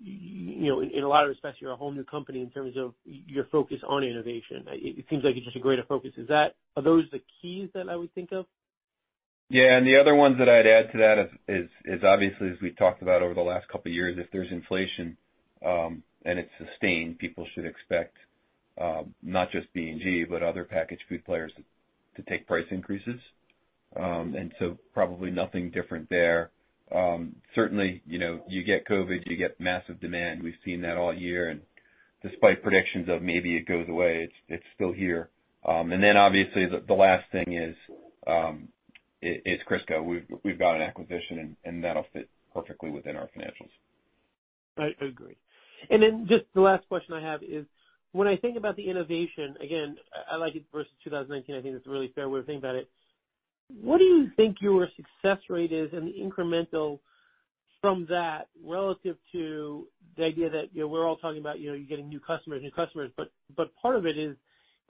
in a lot of respects, you're a whole new company in terms of your focus on innovation. It seems like it's just a greater focus. Are those the keys that I would think of? Yeah. The other ones that I'd add to that is obviously, as we've talked about over the last couple of years, if there's inflation, and it's sustained, people should expect, not just B&G, but other packaged food players to take price increases. Probably nothing different there. Certainly, you get COVID, you get massive demand. We've seen that all year. Despite predictions of maybe it goes away, it's still here. Obviously the last thing is Crisco. We've got an acquisition, and that'll fit perfectly within our financials. I agree. Just the last question I have is, when I think about the innovation, again, I like it versus 2019, I think that's a really fair way of thinking about it. What do you think your success rate is in the incremental from that relative to the idea that, we're all talking about, you're getting new customers, but part of it is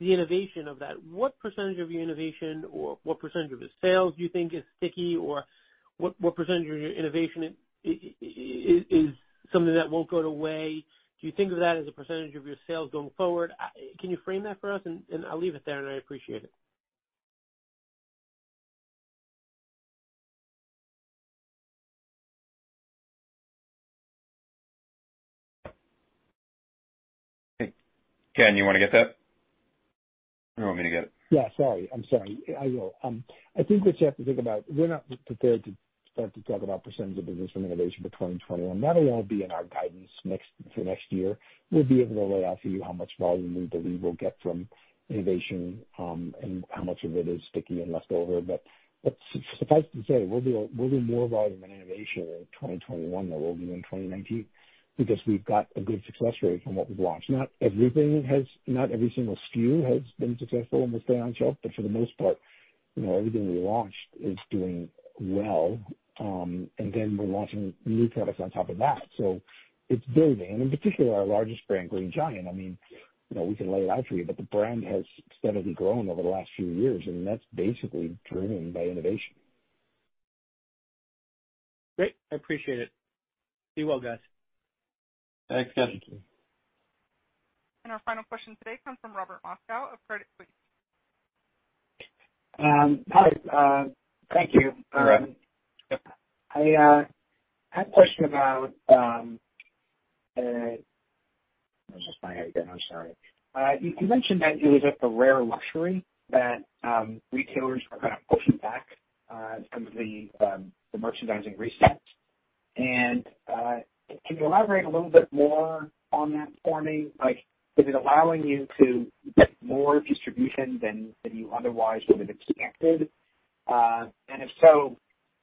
the innovation of that. What percent of your innovation, or what percent of the sales you think is sticky? What percent of your innovation is something that won't go away? Do you think of that as a percent of your sales going forward? Can you frame that for us? I'll leave it there, and I appreciate it. Ken, you want to get that? You want me to get it? Yeah. Sorry. I'm sorry. I will. I think what you have to think about, we're not prepared to start to talk about percent of business from innovation for 2021. That'll all be in our guidance for next year. We'll be able to lay out for you how much volume we believe we'll get from innovation, and how much of it is sticky and left over. Suffice to say, we'll do more volume and innovation in 2021 than what we did in 2019 because we've got a good success rate from what we've launched. Not every single SKU has been successful and will stay on shelf, but for the most part, everything we launched is doing well. We're launching new products on top of that. It's building. In particular, our largest brand, Green Giant, we can lay it out for you, but the brand has steadily grown over the last few years, and that's basically driven by innovation. Great, I appreciate it. Be well, guys. Thanks, Ken. Thank you. Our final question today comes from Robert Moskow of Credit Suisse. Hi. Thank you. You bet. I had a question about I was just finding it again. I'm sorry. You mentioned that it was at the rare luxury that retailers are kind of pushing back, from the merchandising reset. Can you elaborate a little bit more on that for me? Is it allowing you to get more distribution than you otherwise would have expected? And if so,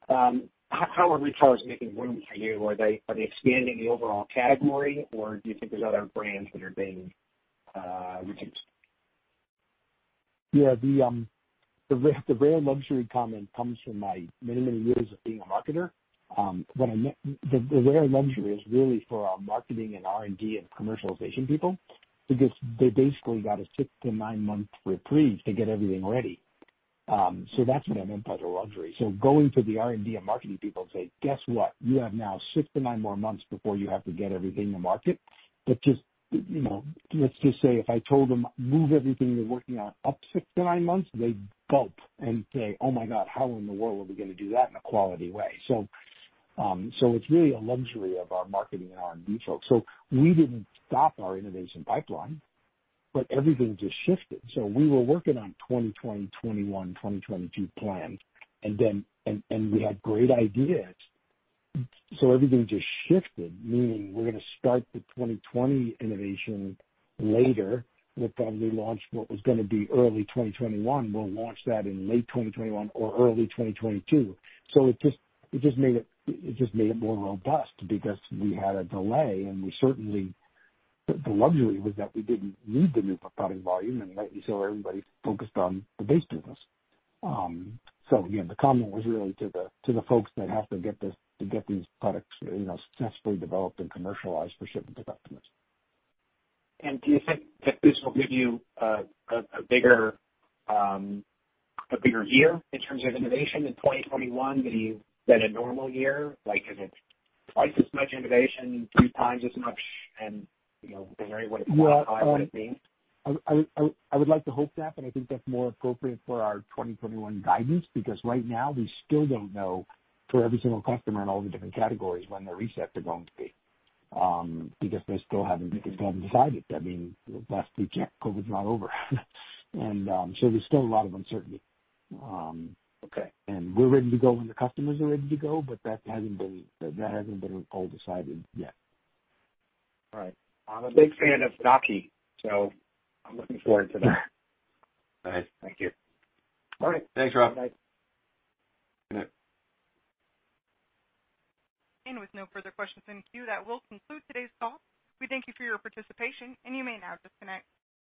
how are retailers making room for you? Are they expanding the overall category, or do you think there's other brands that are being reduced? The rare luxury comment comes from my many years of being a marketer. The rare luxury is really for our marketing and R&D and commercialization people because they basically got a six to nine-month reprieve to get everything ready. That's what I meant by the luxury. Going to the R&D and marketing people and say, "Guess what? You have now six to nine more months before you have to get everything to market." Let's just say, if I told them, "Move everything you're working on up six to nine months," they'd gulp and say, "Oh my God, how in the world are we going to do that in a quality way." It's really a luxury of our marketing and R&D folks. We didn't stop our innovation pipeline, but everything just shifted. We were working on 2020, 2021, 2022 plans, and we had great ideas. Everything just shifted, meaning we're gonna start the 2020 innovation later. We'll probably launch what was gonna be early 2021. We'll launch that in late 2021 or early 2022. It just made it more robust because we had a delay, the luxury was that we didn't need the new product volume, everybody focused on the base business. Again, the comment was really to the folks that have to get these products successfully developed and commercialized for shipment to customers. Do you think that this will give you a bigger year in terms of innovation in 2021 than a normal year? Is it twice as much innovation, three times as much? I am wondering what it might mean. I would like to hope that, but I think that's more appropriate for our 2021 guidance, because right now we still don't know for every single customer in all the different categories when their resets are going to be because they still haven't decided. Last weekend, COVID's not over. There's still a lot of uncertainty. Okay. We're ready to go when the customers are ready to go, but that hasn't been all decided yet. All right. I'm a big fan of Takis, so I'm looking forward to that. All right. Thank you. All right. Thanks, Rob. Bye. Good night. With no further questions in queue, that will conclude today's call. We thank you for your participation, and you may now disconnect.